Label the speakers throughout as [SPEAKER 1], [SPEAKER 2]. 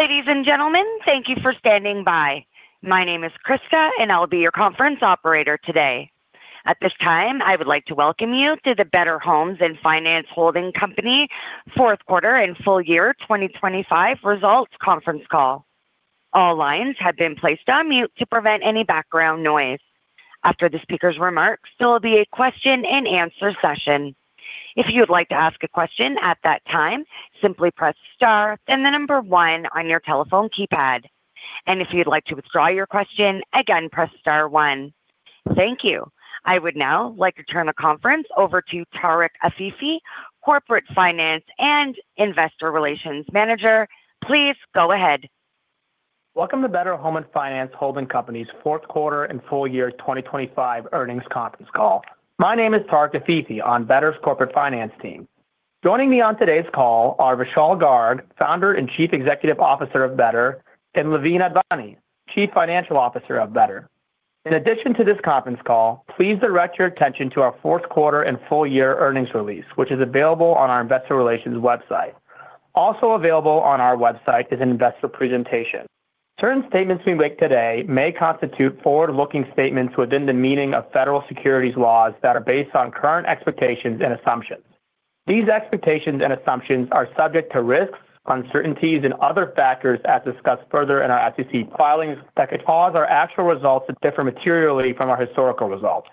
[SPEAKER 1] Ladies and gentlemen, thank you for standing by. My name is Krista, and I'll be your conference operator today. At this time, I would like to welcome you to the Better Home & Finance Holding Company fourth quarter and full year 2025 results conference call. All lines have been placed on mute to prevent any background noise. After the speaker's remarks, there will be a question-and-answer session. If you'd like to ask a question at that time, simply press star and the number one on your telephone keypad. If you'd like to withdraw your question, again, press star one. Thank you. I would now like to turn the conference over to Tarek Afifi, Corporate Finance and Investor Relations Manager. Please go ahead.
[SPEAKER 2] Welcome to Better Home & Finance Holding Company's fourth quarter and full year 2025 earnings conference call. My name is Tarek Afifi on Better's Corporate Finance team. Joining me on today's call are Vishal Garg, Founder and Chief Executive Officer of Better, and Loveen Advani, Chief Financial Officer of Better. In addition to this conference call, please direct your attention to our fourth quarter and full year earnings release, which is available on our investor relations website. Also available on our website is an investor presentation. Certain statements we make today may constitute forward-looking statements within the meaning of federal securities laws that are based on current expectations and assumptions. These expectations and assumptions are subject to risks, uncertainties and other factors as discussed further in our SEC filings that could cause our actual results to differ materially from our historical results.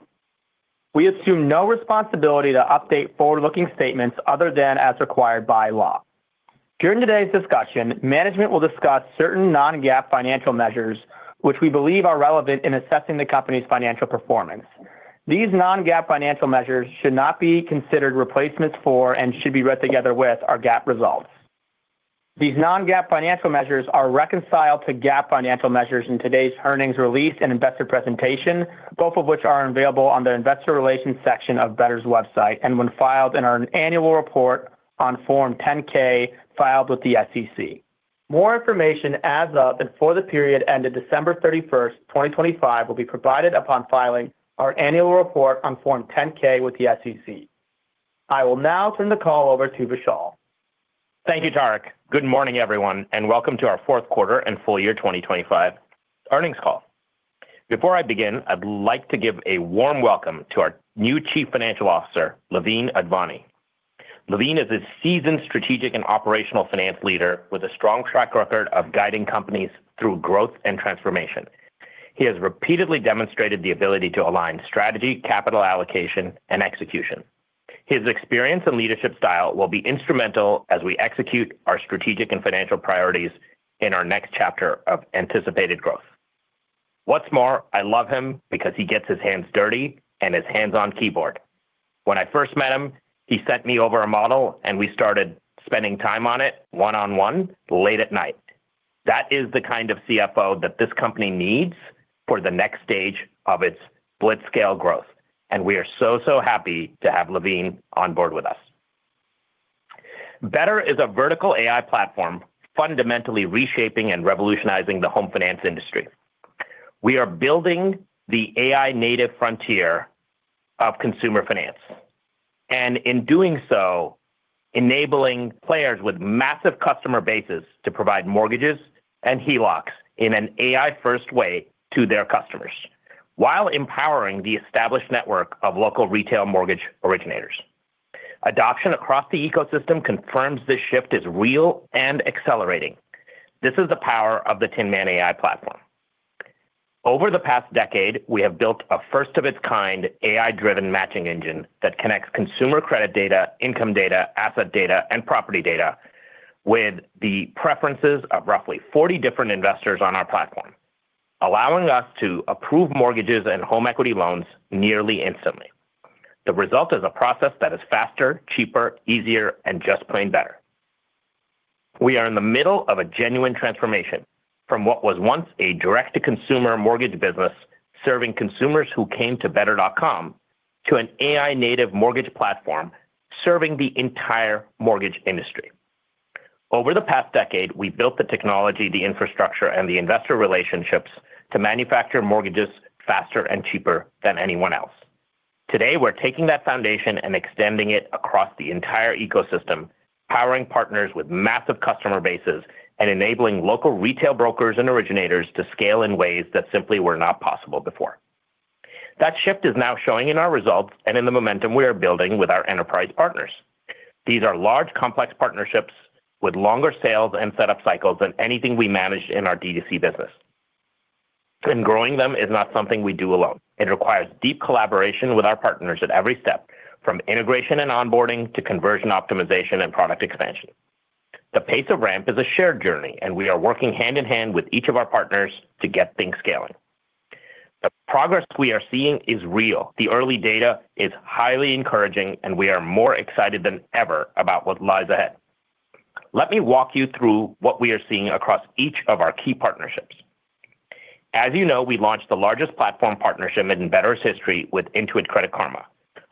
[SPEAKER 2] We assume no responsibility to update forward-looking statements other than as required by law. During today's discussion, management will discuss certain non-GAAP financial measures which we believe are relevant in assessing the company's financial performance. These non-GAAP financial measures should not be considered replacements for, and should be read together with our GAAP results. These non-GAAP financial measures are reconciled to GAAP financial measures in today's earnings release and investor presentation, both of which are available on the investor relations section of Better's website and when filed in our annual report on Form 10-K filed with the SEC. More information as of and for the period ended December 31, 2025 will be provided upon filing our annual report on Form 10-K with the SEC. I will now turn the call over to Vishal.
[SPEAKER 3] Thank you, Tarek. Good morning, everyone, and welcome to our fourth quarter and full year 2025 earnings call. Before I begin, I'd like to give a warm welcome to our new Chief Financial Officer, Loveen Advani. Loveen is a seasoned strategic and operational finance leader with a strong track record of guiding companies through growth and transformation. He has repeatedly demonstrated the ability to align strategy, capital allocation and execution. His experience and leadership style will be instrumental as we execute our strategic and financial priorities in our next chapter of anticipated growth. What's more, I love him because he gets his hands dirty and is hands on keyboard. When I first met him, he sent me over a model, and we started spending time on it one-on-one late at night. That is the kind of CFO that this company needs for the next stage of its blitzscale growth, and we are so happy to have Loveen on board with us. Better is a vertical AI platform fundamentally reshaping and revolutionizing the home finance industry. We are building the AI-native frontier of consumer finance, and in doing so, enabling players with massive customer bases to provide mortgages and HELOCs in an AI-first way to their customers while empowering the established network of local retail mortgage originators. Adoption across the ecosystem confirms this shift is real and accelerating. This is the power of the Tinman AI platform. Over the past decade, we have built a first of its kind AI-driven matching engine that connects consumer credit data, income data, asset data and property data with the preferences of roughly 40 different investors on our platform, allowing us to approve mortgages and home equity loans nearly instantly. The result is a process that is faster, cheaper, easier, and just plain better. We are in the middle of a genuine transformation from what was once a direct-to-consumer mortgage business serving consumers who came to better.com to an AI-native mortgage platform serving the entire mortgage industry. Over the past decade, we built the technology, the infrastructure and the investor relationships to manufacture mortgages faster and cheaper than anyone else. Today, we're taking that foundation and extending it across the entire ecosystem, powering partners with massive customer bases and enabling local retail brokers and originators to scale in ways that simply were not possible before. That shift is now showing in our results and in the momentum we are building with our enterprise partners. These are large, complex partnerships with longer sales and setup cycles than anything we managed in our D2C business. Growing them is not something we do alone. It requires deep collaboration with our partners at every step, from integration and onboarding to conversion optimization and product expansion. The pace of ramp is a shared journey, and we are working hand in hand with each of our partners to get things scaling. The progress we are seeing is real. The early data is highly encouraging, and we are more excited than ever about what lies ahead. Let me walk you through what we are seeing across each of our key partnerships. As you know, we launched the largest platform partnership in Better's history with Intuit Credit Karma,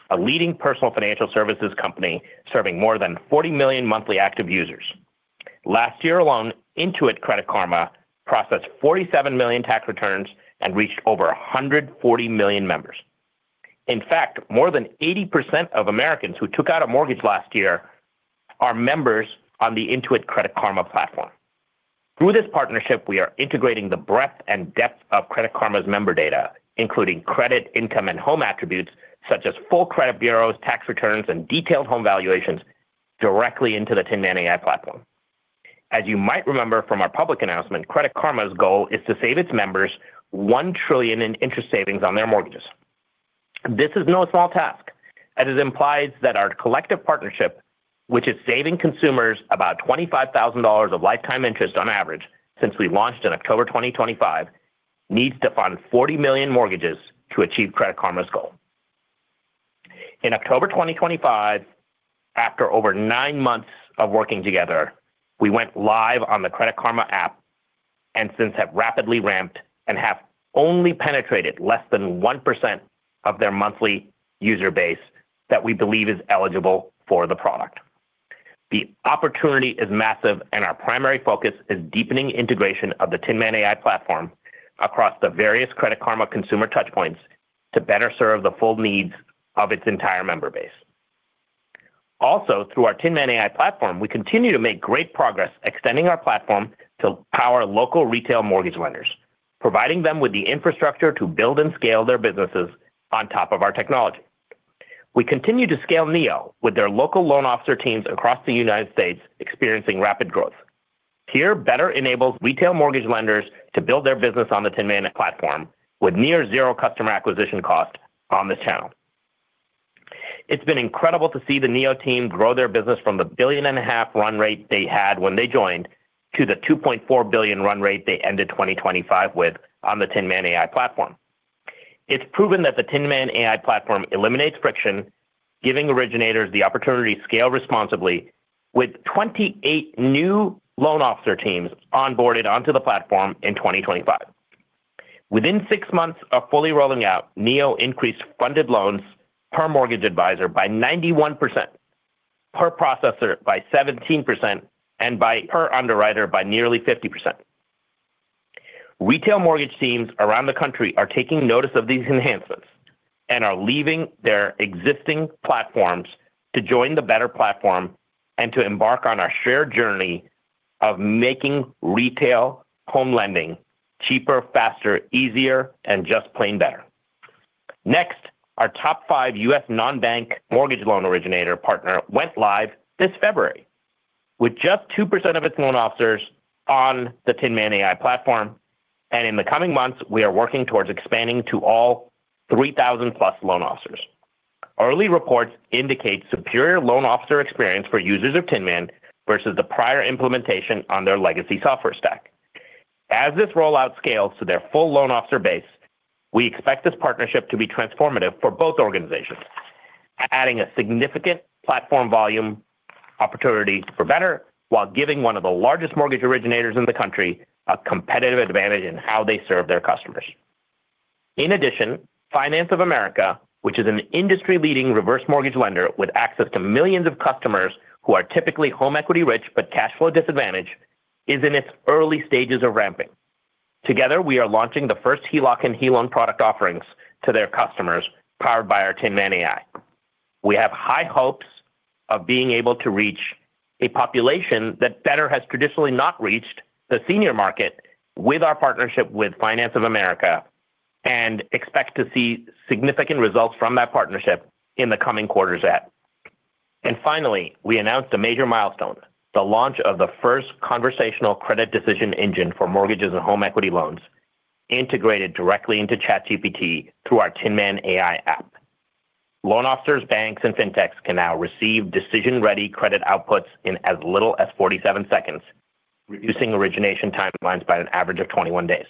[SPEAKER 3] a leading personal financial services company serving more than 40 million monthly active users. Last year alone, Intuit Credit Karma processed 47 million tax returns and reached over 140 million members. In fact, more than 80% of Americans who took out a mortgage last year are members on the Intuit Credit Karma platform. Through this partnership, we are integrating the breadth and depth of Credit Karma's member data, including credit, income, and home attributes such as full credit bureaus, tax returns, and detailed home valuations directly into the Tinman AI platform. As you might remember from our public announcement, Credit Karma's goal is to save its members $1 trillion in interest savings on their mortgages. This is no small task, as it implies that our collective partnership, which is saving consumers about $25,000 of lifetime interest on average since we launched in October 2025, needs to fund 40 million mortgages to achieve Credit Karma's goal. In October 2025, after over nine months of working together, we went live on the Credit Karma app and since have rapidly ramped and have only penetrated less than 1% of their monthly user base that we believe is eligible for the product. The opportunity is massive, and our primary focus is deepening integration of the Tinman AI platform across the various Credit Karma consumer touch points to better serve the full needs of its entire member base. Also, through our Tinman AI platform, we continue to make great progress extending our platform to power local retail mortgage lenders, providing them with the infrastructure to build and scale their businesses on top of our technology. We continue to scale Neo with their local loan officer teams across the United States experiencing rapid growth. Here, Better enables retail mortgage lenders to build their business on the Tinman platform with near zero customer acquisition cost on this channel. It's been incredible to see the Neo team grow their business from the $1.5 billion run rate they had when they joined to the $2.4 billion run rate they ended 2025 with on the Tinman AI platform. It's proven that the Tinman AI platform eliminates friction, giving originators the opportunity to scale responsibly with 28 new loan officer teams onboarded onto the platform in 2025. Within 6 months of fully rolling out, Neo increased funded loans per mortgage advisor by 91%, per processor by 17%, and by per underwriter by nearly 50%. Retail mortgage teams around the country are taking notice of these enhancements and are leaving their existing platforms to join the Better platform and to embark on our shared journey of making retail home lending cheaper, faster, easier, and just plain better. Next, our top five U.S. non-bank mortgage loan originator partner went live this February with just 2% of its loan officers on the Tinman AI platform. In the coming months, we are working towards expanding to all 3,000+ loan officers. Early reports indicate superior loan officer experience for users of Tinman versus the prior implementation on their legacy software stack. As this rollout scales to their full loan officer base, we expect this partnership to be transformative for both organizations, adding a significant platform volume opportunity for Better while giving one of the largest mortgage originators in the country a competitive advantage in how they serve their customers. In addition, Finance of America, which is an industry-leading reverse mortgage lender with access to millions of customers who are typically home equity rich but cash flow disadvantaged, is in its early stages of ramping. Together, we are launching the first HELOC and HELOAN product offerings to their customers powered by our Tinman AI. We have high hopes of being able to reach a population that Better has traditionally not reached the senior market with our partnership with Finance of America, and expect to see significant results from that partnership in the coming quarters ahead. Finally, we announced a major milestone, the launch of the first conversational credit decision engine for mortgages and home equity loans integrated directly into ChatGPT through our Tinman AI app. Loan officers, banks, and fintechs can now receive decision-ready credit outputs in as little as 47 seconds, reducing origination timelines by an average of 21 days.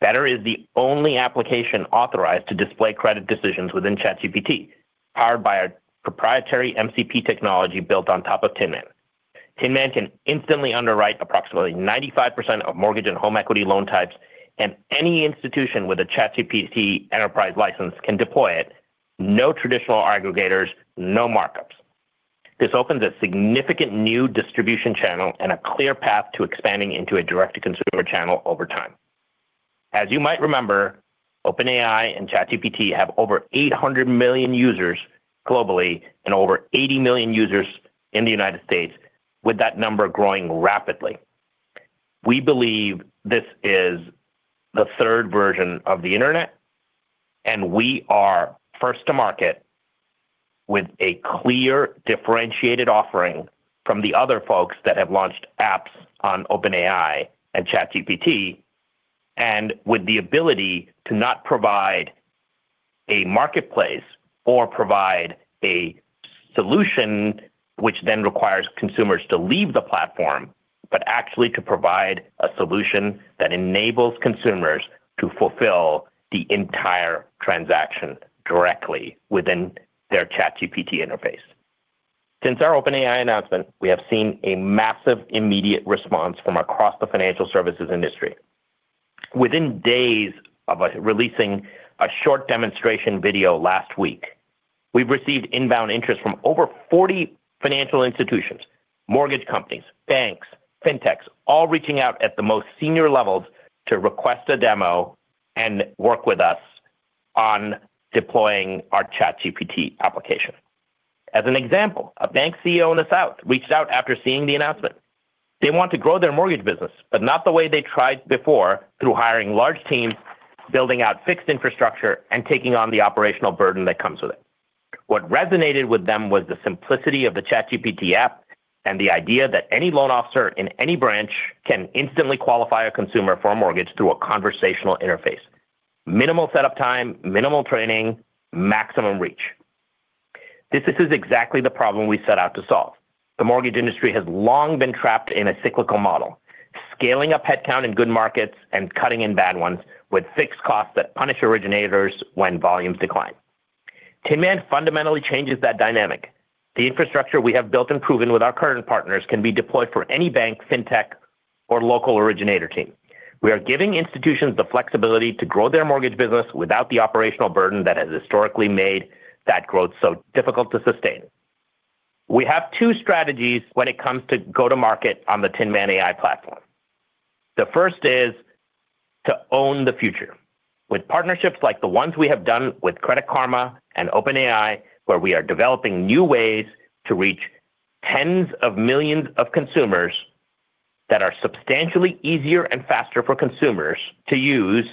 [SPEAKER 3] Better is the only application authorized to display credit decisions within ChatGPT, powered by our proprietary MCP technology built on top of Tinman. Tinman can instantly underwrite approximately 95% of mortgage and home equity loan types, and any institution with a ChatGPT enterprise license can deploy it. No traditional aggregators, no markups. This opens a significant new distribution channel and a clear path to expanding into a direct-to-consumer channel over time. As you might remember, OpenAI and ChatGPT have over 800 million users globally and over 80 million users in the United States, with that number growing rapidly. We believe this is the third version of the internet, and we are first to market with a clear differentiated offering from the other folks that have launched apps on OpenAI and ChatGPT, and with the ability to not provide a marketplace or provide a solution which then requires consumers to leave the platform, but actually to provide a solution that enables consumers to fulfill the entire transaction directly within their ChatGPT interface. Since our OpenAI announcement, we have seen a massive immediate response from across the financial services industry. Within days of us releasing a short demonstration video last week. We've received inbound interest from over 40 financial institutions, mortgage companies, banks, fintechs, all reaching out at the most senior levels to request a demo and work with us on deploying our ChatGPT application. As an example, a bank CEO in the South reached out after seeing the announcement. They want to grow their mortgage business, but not the way they tried before through hiring large teams, building out fixed infrastructure, and taking on the operational burden that comes with it. What resonated with them was the simplicity of the ChatGPT app and the idea that any loan officer in any branch can instantly qualify a consumer for a mortgage through a conversational interface. Minimal setup time, minimal training, maximum reach. This is exactly the problem we set out to solve. The mortgage industry has long been trapped in a cyclical model, scaling up headcount in good markets and cutting in bad ones with fixed costs that punish originators when volumes decline. Tinman fundamentally changes that dynamic. The infrastructure we have built and proven with our current partners can be deployed for any bank, fintech, or local originator team. We are giving institutions the flexibility to grow their mortgage business without the operational burden that has historically made that growth so difficult to sustain. We have two strategies when it comes to go to market on the Tinman AI platform. The first is to own the future with partnerships like the ones we have done with Credit Karma and OpenAI, where we are developing new ways to reach tens of millions of consumers that are substantially easier and faster for consumers to use,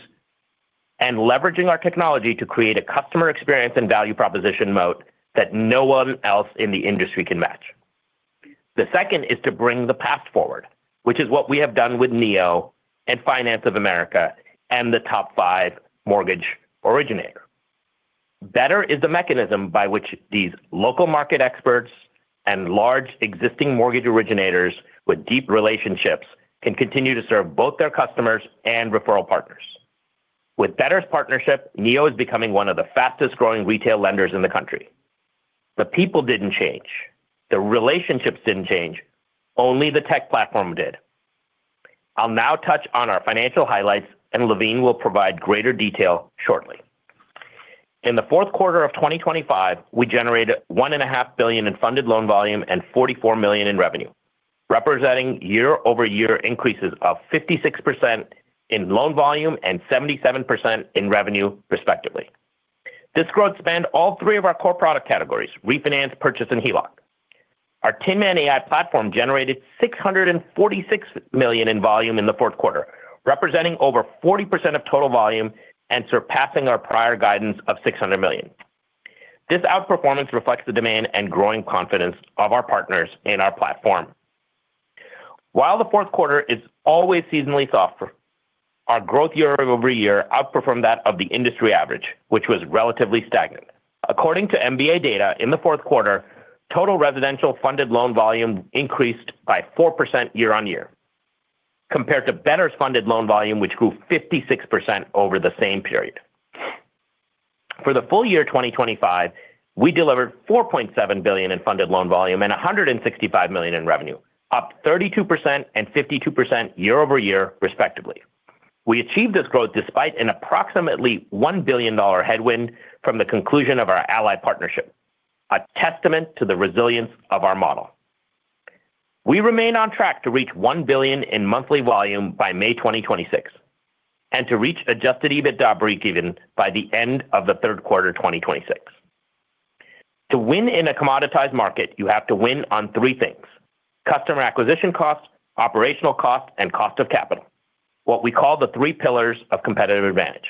[SPEAKER 3] and leveraging our technology to create a customer experience and value proposition moat that no one else in the industry can match. The second is to bring the past forward, which is what we have done with Neo and Finance of America and the top five mortgage originator. Better is the mechanism by which these local market experts and large existing mortgage originators with deep relationships can continue to serve both their customers and referral partners. With Better's partnership, Neo is becoming one of the fastest-growing retail lenders in the country. The people didn't change, the relationships didn't change, only the tech platform did. I'll now touch on our financial highlights, and Loveen will provide greater detail shortly. In the fourth quarter of 2025, we generated $1.5 billion in funded loan volume and $44 million in revenue, representing year-over-year increases of 56% in loan volume and 77% in revenue respectively. This growth spanned all three of our core product categories, refinance, purchase, and HELOC. Our Tinman AI platform generated $646 million in volume in the fourth quarter, representing over 40% of total volume and surpassing our prior guidance of $600 million. This outperformance reflects the demand and growing confidence of our partners in our platform. While the fourth quarter is always seasonally softer, our growth year-over-year outperformed that of the industry average, which was relatively stagnant. According to MBA data, in the fourth quarter, total residential funded loan volume increased by 4% year-over-year compared to Better's funded loan volume, which grew 56% over the same period. For the full year 2025, we delivered $4.7 billion in funded loan volume and $165 million in revenue, up 32% and 52% year-over-year respectively. We achieved this growth despite an approximately $1 billion headwind from the conclusion of our Ally partnership, a testament to the resilience of our model. We remain on track to reach $1 billion in monthly volume by May 2026 and to reach Adjusted EBITDA breakeven by the end of the third quarter 2026. To win in a commoditized market, you have to win on three things, customer acquisition cost, operational cost, and cost of capital. What we call the three pillars of competitive advantage.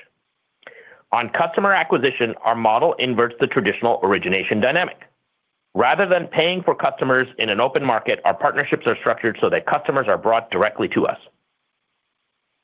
[SPEAKER 3] On customer acquisition, our model inverts the traditional origination dynamic. Rather than paying for customers in an open market, our partnerships are structured so that customers are brought directly to us.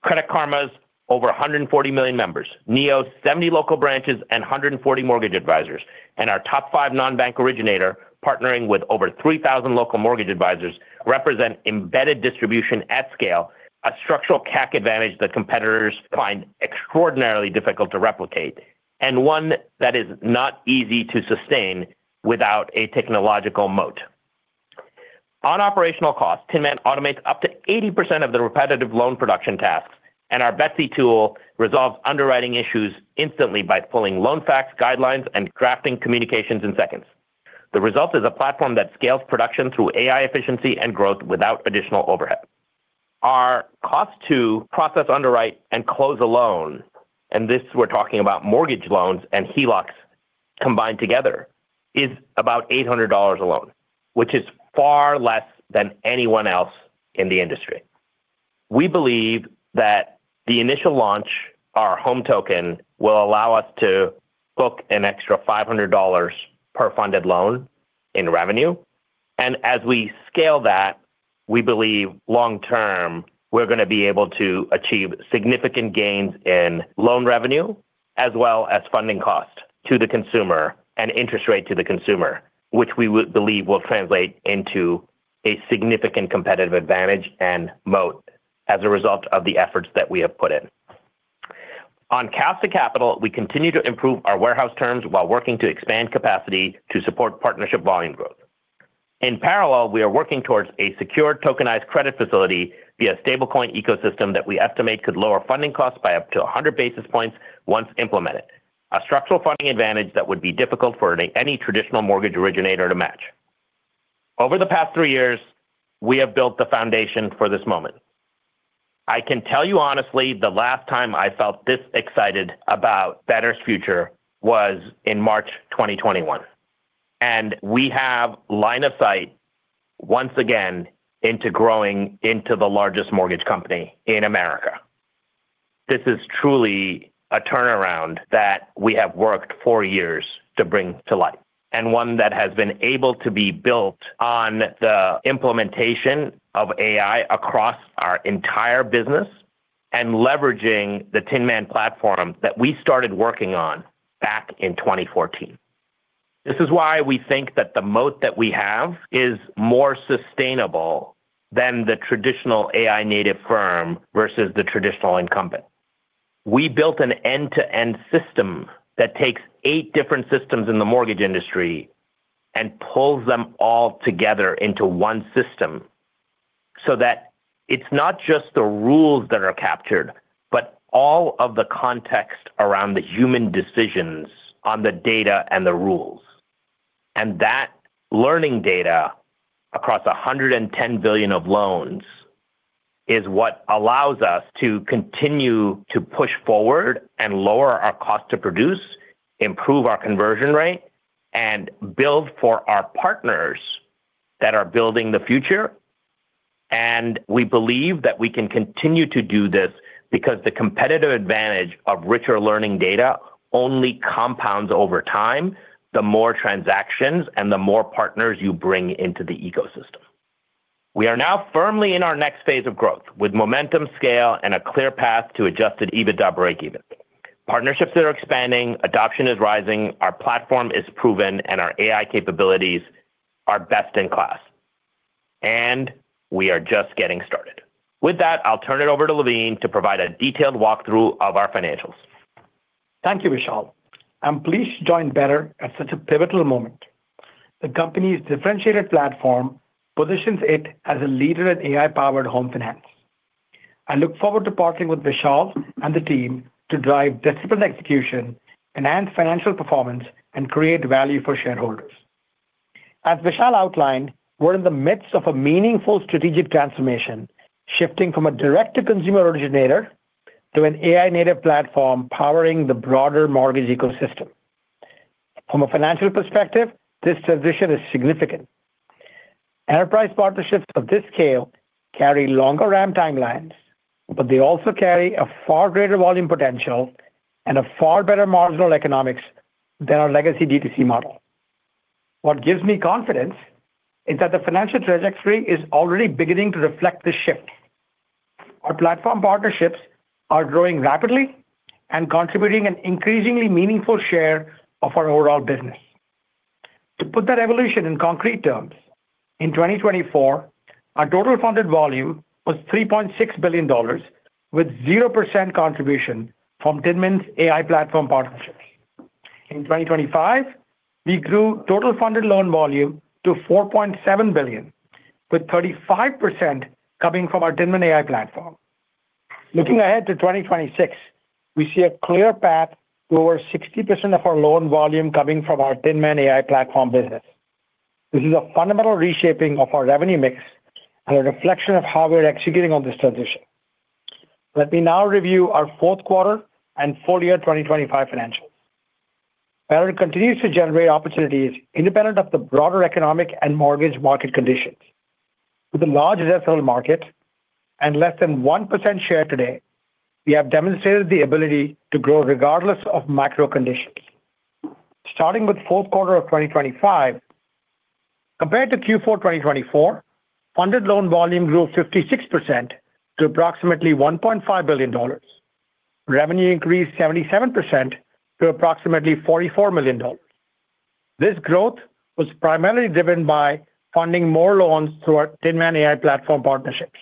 [SPEAKER 3] Credit Karma's over 140 million members, Neo's 70 local branches and 140 mortgage advisors, and our top five non-bank originator partnering with over 3,000 local mortgage advisors represent embedded distribution at scale, a structural CAC advantage that competitors find extraordinarily difficult to replicate, and one that is not easy to sustain without a technological moat. On operational costs, Tinman automates up to 80% of the repetitive loan production tasks, and our Betsy tool resolves underwriting issues instantly by pulling LoanFacts guidelines and crafting communications in seconds. The result is a platform that scales production through AI efficiency and growth without additional overhead. Our cost to process, underwrite, and close a loan, and this we're talking about mortgage loans and HELOCs combined together, is about $800 a loan, which is far less than anyone else in the industry. We believe that the initial launch, our Home Token, will allow us to book an extra $500 per funded loan in revenue. As we scale that, we believe long term, we're going to be able to achieve significant gains in loan revenue as well as funding cost to the consumer and interest rate to the consumer, which we believe will translate into a significant competitive advantage and moat as a result of the efforts that we have put in. On cost of capital, we continue to improve our warehouse terms while working to expand capacity to support partnership volume growth. In parallel, we are working towards a secure tokenized credit facility via stablecoin ecosystem that we estimate could lower funding costs by up to 100 basis points once implemented. A structural funding advantage that would be difficult for any traditional mortgage originator to match. Over the past three years, we have built the foundation for this moment. I can tell you honestly, the last time I felt this excited about Better's future was in March 2021, and we have line of sight once again into growing into the largest mortgage company in America. This is truly a turnaround that we have worked for years to bring to life, and one that has been able to be built on the implementation of AI across our entire business and leveraging the Tinman platform that we started working on back in 2014. This is why we think that the moat that we have is more sustainable than the traditional AI native firm versus the traditional incumbent. We built an end-to-end system that takes eight different systems in the mortgage industry and pulls them all together into one system so that it's not just the rules that are captured, but all of the context around the human decisions on the data and the rules. That learning data across 110 billion of loans is what allows us to continue to push forward and lower our cost to produce, improve our conversion rate, and build for our partners that are building the future. We believe that we can continue to do this because the competitive advantage of richer learning data only compounds over time, the more transactions and the more partners you bring into the ecosystem. We are now firmly in our next phase of growth with momentum, scale, and a clear path to Adjusted EBITDA breakeven. Partnerships that are expanding, adoption is rising, our platform is proven, and our AI capabilities are best in class. We are just getting started. With that, I'll turn it over to Loveen to provide a detailed walkthrough of our financials.
[SPEAKER 4] Thank you, Vishal. I'm pleased to join Better at such a pivotal moment. The company's differentiated platform positions it as a leader in AI-powered home finance. I look forward to partnering with Vishal and the team to drive disciplined execution, enhance financial performance, and create value for shareholders. As Vishal outlined, we're in the midst of a meaningful strategic transformation, shifting from a direct-to-consumer originator to an AI-native platform powering the broader mortgage ecosystem. From a financial perspective, this transition is significant. Enterprise partnerships of this scale carry longer ramp timelines, but they also carry a far greater volume potential and a far better marginal economics than our legacy D2C model. What gives me confidence is that the financial trajectory is already beginning to reflect this shift. Our platform partnerships are growing rapidly and contributing an increasingly meaningful share of our overall business. To put that evolution in concrete terms, in 2024, our total funded volume was $3.6 billion with 0% contribution from Tinman AI platform partnerships. In 2025, we grew total funded loan volume to $4.7 billion with 35% coming from our Tinman AI platform. Looking ahead to 2026, we see a clear path to over 60% of our loan volume coming from our Tinman AI platform business. This is a fundamental reshaping of our revenue mix and a reflection of how we're executing on this transition. Let me now review our fourth quarter and full year 2025 financials. Better continues to generate opportunities independent of the broader economic and mortgage market conditions. With a large S&L market and less than 1% share today, we have demonstrated the ability to grow regardless of macro conditions. Starting with fourth quarter of 2025, compared to Q4 2024, funded loan volume grew 56% to approximately $1.5 billion. Revenue increased 77% to approximately $44 million. This growth was primarily driven by funding more loans through our Tinman AI platform partnerships.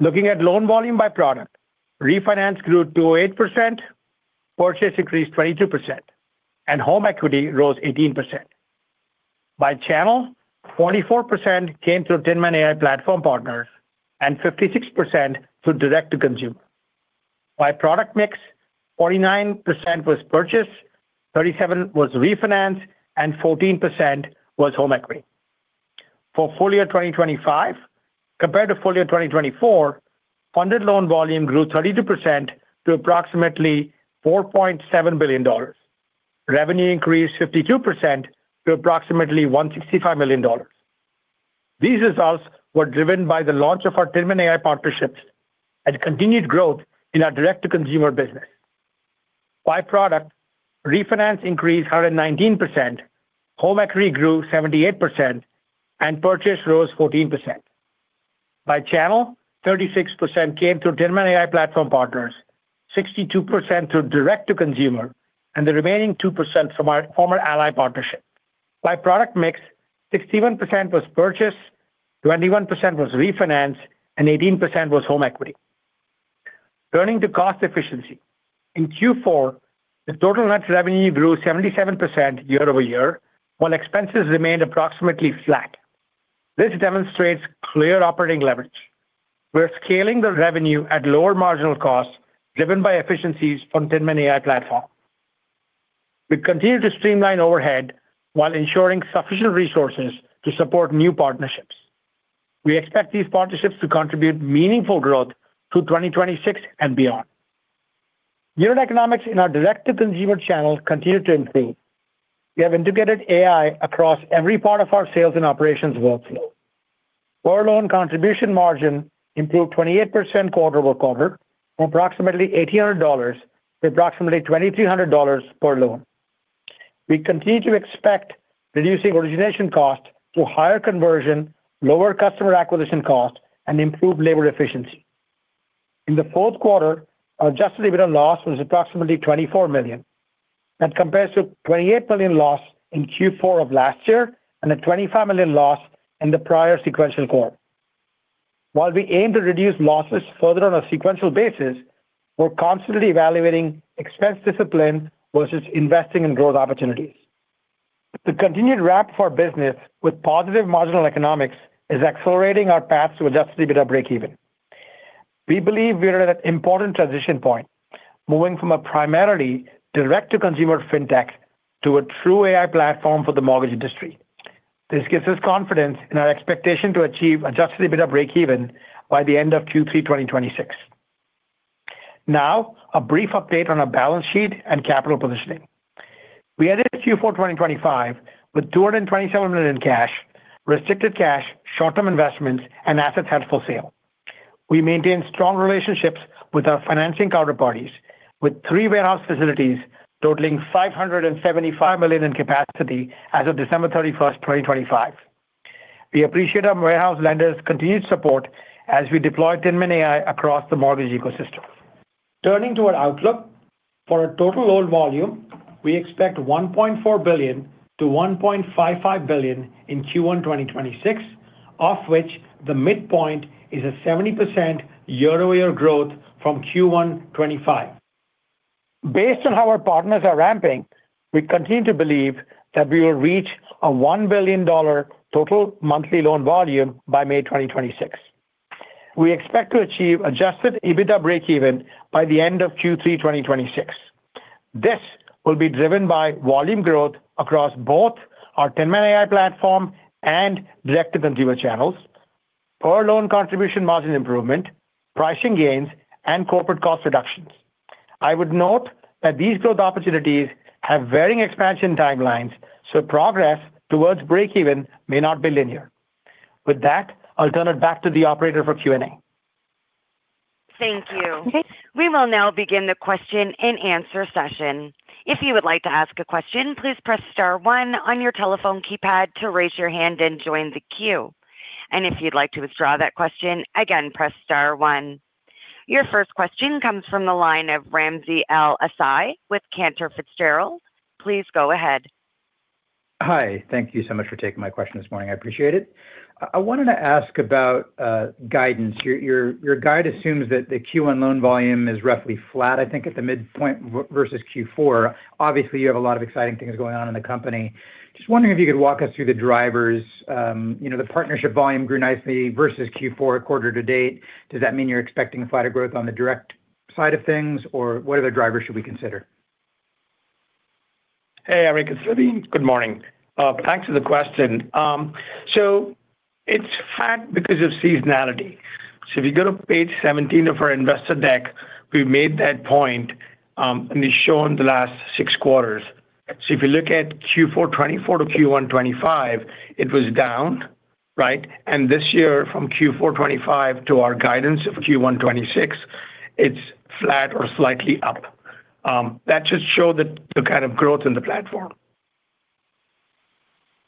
[SPEAKER 4] Looking at loan volume by product, refinance grew to 8%, purchase increased 22%, and home equity rose 18%. By channel, 44% came through Tinman AI platform partners and 56% through direct to consumer. By product mix, 49% was purchase, 37% was refinance, and 14% was home equity. For full year 2025, compared to full year 2024, funded loan volume grew 32% to approximately $4.7 billion. Revenue increased 52% to approximately $165 million. These results were driven by the launch of our Tinman AI partnerships and continued growth in our direct-to-consumer business. By product, refinance increased 119%, home equity grew 78%, and purchase rose 14%. By channel, 36% came through Tinman AI platform partners, 62% through direct to consumer, and the remaining 2% from our former Ally partnership. By product mix, 61% was purchase, 21% was refinance, and 18% was home equity. Turning to cost efficiency. In Q4, the total net revenue grew 77% year-over-year, while expenses remained approximately flat. This demonstrates clear operating leverage. We're scaling the revenue at lower marginal costs, driven by efficiencies from Tinman AI platform. We continue to streamline overhead while ensuring sufficient resources to support new partnerships. We expect these partnerships to contribute meaningful growth through 2026 and beyond. Unit economics in our direct-to-consumer channels continue to improve. We have integrated AI across every part of our sales and operations workflow. Our loan contribution margin improved 28% quarter-over-quarter from approximately $1,800 to approximately $2,300 per loan. We continue to expect reducing origination costs through higher conversion, lower customer acquisition costs, and improved labor efficiency. In the fourth quarter, our Adjusted EBITDA loss was approximately $24 million. That compares to $28 million loss in Q4 of last year and a $25 million loss in the prior sequential quarter. While we aim to reduce losses further on a sequential basis, we're constantly evaluating expense discipline versus investing in growth opportunities. The continued ramp for our business with positive marginal economics is accelerating our path to Adjusted EBITDA breakeven. We believe we are at an important transition point, moving from a primarily direct-to-consumer fintech to a true AI platform for the mortgage industry. This gives us confidence in our expectation to achieve Adjusted EBITDA breakeven by the end of Q3 2026. Now, a brief update on our balance sheet and capital positioning. We ended Q4 2025 with $227 million in cash, restricted cash, short-term investments, and assets held for sale. We maintain strong relationships with our financing counterparties, with three warehouse facilities totaling $575 million in capacity as of December 31st, 2025. We appreciate our warehouse lenders' continued support as we deploy Tinman AI across the mortgage ecosystem. Turning to our outlook. For our total loan volume, we expect $1.4 billion-$1.55 billion in Q1 2026, of which the midpoint is a 70% year-over-year growth from Q1 2025. Based on how our partners are ramping, we continue to believe that we will reach a $1 billion total monthly loan volume by May 2026. We expect to achieve Adjusted EBITDA breakeven by the end of Q3 2026. This will be driven by volume growth across both our Tinman AI platform and direct-to-consumer channels, per loan contribution margin improvement, pricing gains, and corporate cost reductions. I would note that these growth opportunities have varying expansion timelines, so progress towards breakeven may not be linear. With that, I'll turn it back to the operator for Q&A.
[SPEAKER 1] Thank you. We will now begin the question-and-answer session. If you would like to ask a question, please press star one on your telephone keypad to raise your hand and join the queue. If you'd like to withdraw that question, again, press star one. Your first question comes from the line of Ramsey El-Assal with Cantor Fitzgerald. Please go ahead.
[SPEAKER 5] Hi. Thank you so much for taking my question this morning. I appreciate it. I wanted to ask about guidance. Your guide assumes that the Q1 loan volume is roughly flat, I think at the midpoint versus Q4. Obviously, you have a lot of exciting things going on in the company. Just wondering if you could walk us through the drivers. You know, the partnership volume grew nicely versus Q4 quarter-to-date. Does that mean you're expecting a flatter growth on the direct side of things, or what other drivers should we consider?
[SPEAKER 4] Hey, Ramsey. Good morning. Thanks for the question. It's flat because of seasonality. If you go to page 17 of our investor deck, we made that point, and it's shown the last six quarters. If you look at Q4 2024 to Q1 2025, it was down, right? This year, from Q4 2025 to our guidance of Q1 2026, it's flat or slightly up. That just shows the kind of growth in the platform.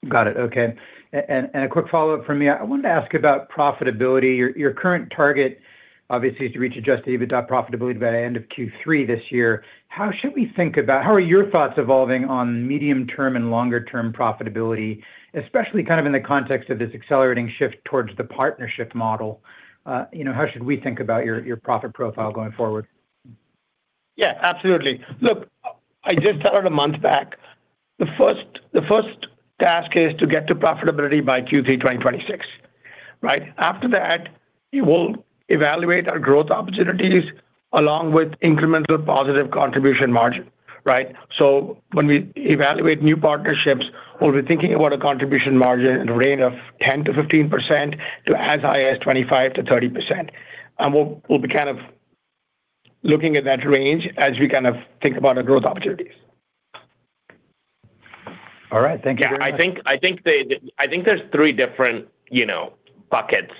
[SPEAKER 5] Got it. Okay. a quick follow-up from me. I wanted to ask about profitability. Your current target obviously is to reach Adjusted EBITDA profitability by the end of Q3 this year. How are your thoughts evolving on medium-term and longer-term profitability, especially kind of in the context of this accelerating shift towards the partnership model? You know, how should we think about your profit profile going forward?
[SPEAKER 4] Yeah, absolutely. Look, I just said it a month back. The first task is to get to profitability by Q3 2026, right? After that, we will evaluate our growth opportunities along with incremental positive contribution margin, right? When we evaluate new partnerships, we'll be thinking about a contribution margin in the range of 10%-15% to as high as 25%-30%. We'll be kind of looking at that range as we kind of think about our growth opportunities.
[SPEAKER 5] All right. Thank you very much.
[SPEAKER 3] Yeah. I think there's three different, you know, buckets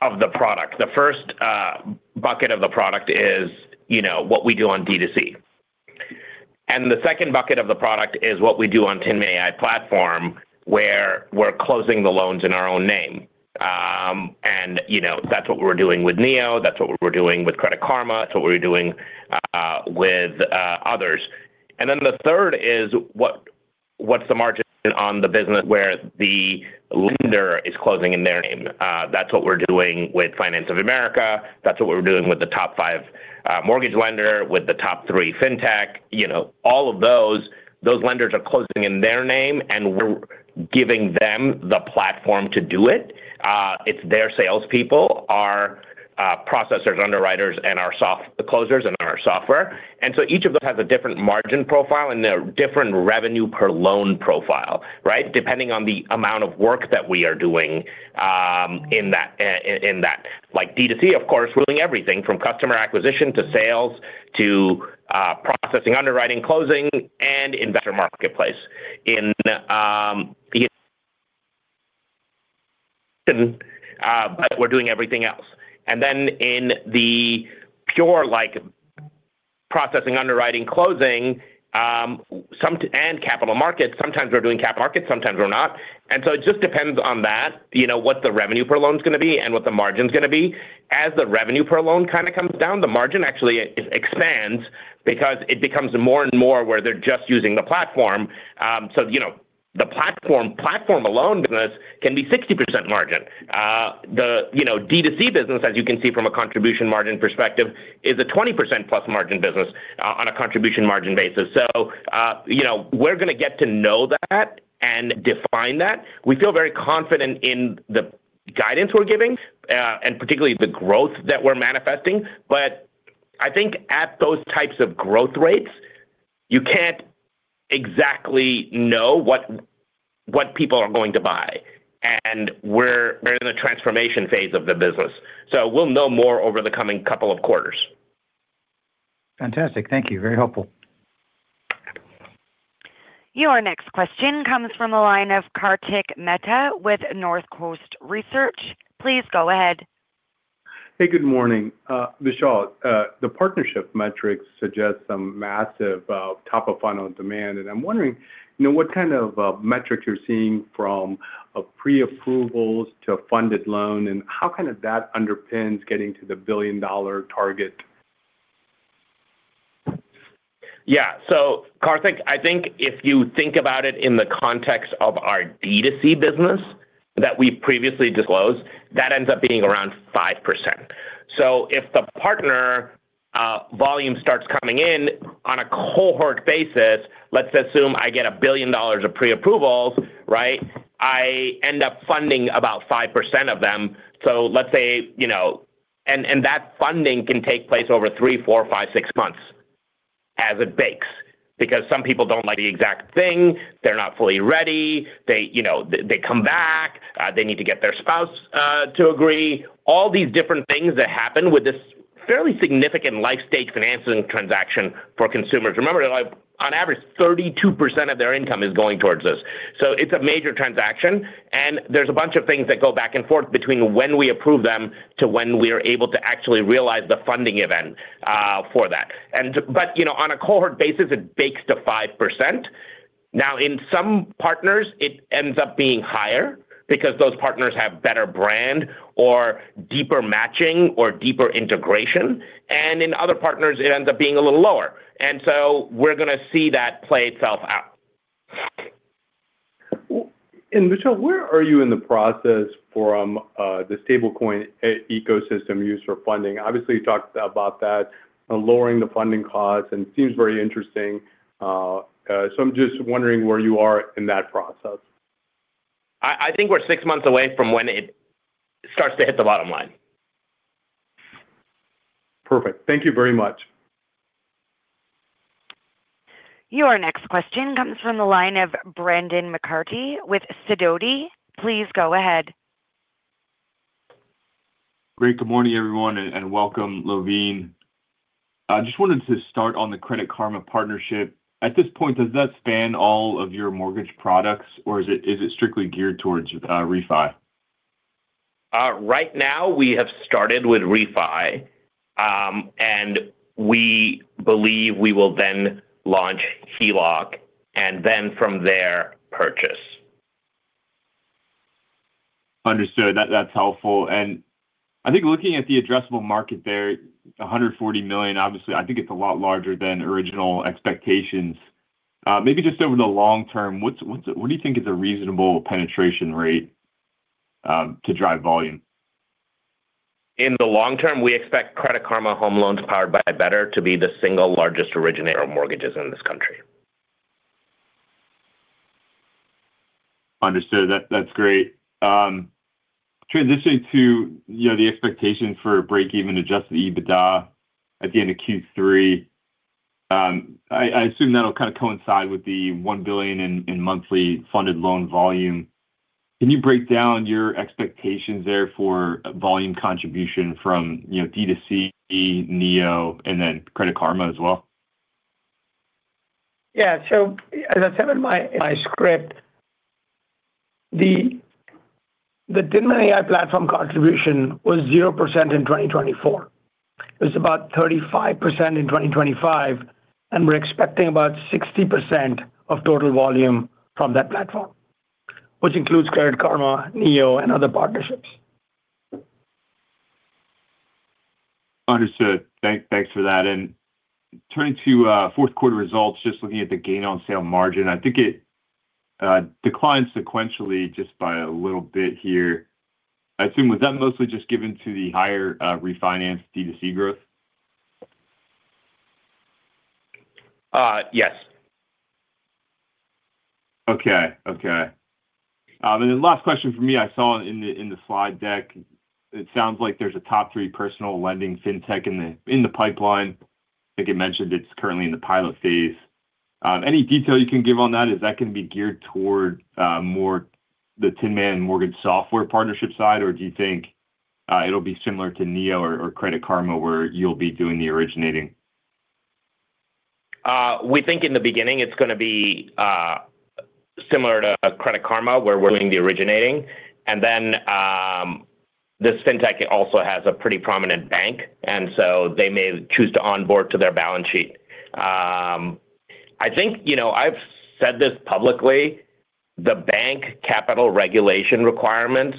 [SPEAKER 3] of the product. The first bucket of the product is, you know, what we do on D2C. The second bucket of the product is what we do on Tinman AI platform, where we're closing the loans in our own name. You know, that's what we're doing with Neo, that's what we're doing with Credit Karma, that's what we're doing with others. Then the third is what's the margin on the business where the lender is closing in their name. That's what we're doing with Finance of America. That's what we're doing with the top five mortgage lender, with the top three fintech. You know, all of those lenders are closing in their name, and we're giving them the platform to do it. It's their salespeople, our processors, underwriters, and the closers in our software. Each of them has a different margin profile and a different revenue per loan profile, right? Depending on the amount of work that we are doing in that. Like D2C, of course, ruling everything from customer acquisition to sales to processing, underwriting, closing and investor marketplace in the And, uh- We're doing everything else. Then in the pure like processing, underwriting, closing, and capital markets, sometimes we're doing cap markets, sometimes we're not. It just depends on that, you know, what the revenue per loan is gonna be and what the margin is gonna be. As the revenue per loan kinda comes down, the margin actually expands because it becomes more and more where they're just using the platform. You know, the platform alone business can be 60% margin. You know, the D2C business, as you can see from a contribution margin perspective, is a 20%+ margin business on a contribution margin basis. You know, we're gonna get to know that and define that. We feel very confident in the guidance we're giving, and particularly the growth that we're manifesting. I think at those types of growth rates, you can't exactly know what people are going to buy. We're in the transformation phase of the business, so we'll know more over the coming couple of quarters.
[SPEAKER 5] Fantastic. Thank you. Very helpful.
[SPEAKER 1] Your next question comes from the line of Kartik Mehta with Northcoast Research. Please go ahead.
[SPEAKER 6] Hey, good morning. Vishal, the partnership metrics suggest some massive top of funnel demand. I'm wondering, you know, what kind of metrics you're seeing from pre-approvals to funded loan and how kind of that underpins getting to the billion-dollar target?
[SPEAKER 3] Yeah. Kartik, I think if you think about it in the context of our D2C business that we previously disclosed, that ends up being around 5%. If the partner volume starts coming in on a cohort basis, let's assume I get $1 billion of pre-approvals, right? I end up funding about 5% of them. Let's say, you know, that funding can take place over three, four, five, six months as it bakes, because some people don't like the exact thing. They're not fully ready. They, you know, they come back. They need to get their spouse to agree. All these different things that happen with this fairly significant life stake financing transaction for consumers. Remember that like on average, 32% of their income is going towards this. It's a major transaction. There's a bunch of things that go back and forth between when we approve them to when we are able to actually realize the funding event for that. But, you know, on a cohort basis, it bakes to 5%. Now, in some partners, it ends up being higher because those partners have better brand or deeper matching or deeper integration. In other partners it ends up being a little lower. We're gonna see that play itself out.
[SPEAKER 6] Well, Vishal, where are you in the process from the stablecoin ecosystem use for funding? Obviously, you talked about that, lowering the funding costs and seems very interesting. I'm just wondering where you are in that process.
[SPEAKER 3] I think we're six months away from when it starts to hit the bottom line.
[SPEAKER 6] Perfect. Thank you very much.
[SPEAKER 1] Your next question comes from the line of Brendan McCarthy with Sidoti. Please go ahead.
[SPEAKER 7] Great. Good morning, everyone, and welcome, Loveen. I just wanted to start on the Credit Karma partnership. At this point, does that span all of your mortgage products or is it strictly geared towards refi?
[SPEAKER 3] Right now we have started with refi, and we believe we will then launch HELOC and then from there purchase.
[SPEAKER 7] Understood. That’s helpful. I think looking at the addressable market there, 140 million, obviously, I think it’s a lot larger than original expectations. Maybe just over the long term, what do you think is a reasonable penetration rate to drive volume?
[SPEAKER 3] In the long term, we expect Credit Karma Home Loans powered by Better to be the single largest originator of mortgages in this country.
[SPEAKER 7] Understood. That's great. Transitioning to, you know, the expectation for breakeven Adjusted EBITDA at the end of Q3. I assume that'll kind of coincide with the $1 billion in monthly funded loan volume. Can you break down your expectations there for volume contribution from, you know, D2C, Neo, and then Credit Karma as well?
[SPEAKER 4] Yeah. As I said in my script, the Tinman AI platform contribution was 0% in 2024. It was about 35% in 2025, and we're expecting about 60% of total volume from that platform, which includes Credit Karma, Neo, and other partnerships.
[SPEAKER 7] Understood. Thanks for that. Turning to fourth quarter results, just looking at the gain on sale margin, I think it declined sequentially just by a little bit here. I assume that was mostly just due to the higher refinance D2C growth?
[SPEAKER 3] Yes.
[SPEAKER 7] Okay. Okay. Then last question from me. I saw in the slide deck, it sounds like there's a top three personal lending fintech in the pipeline. I think you mentioned it's currently in the pilot phase. Any detail you can give on that? Is that gonna be geared toward more the Tinman mortgage software partnership side, or do you think it'll be similar to Neo or Credit Karma, where you'll be doing the originating?
[SPEAKER 3] We think in the beginning it's gonna be similar to Credit Karma, where we're doing the originating. This fintech also has a pretty prominent bank, and so they may choose to onboard to their balance sheet. I think, you know, I've said this publicly, the bank capital regulation requirements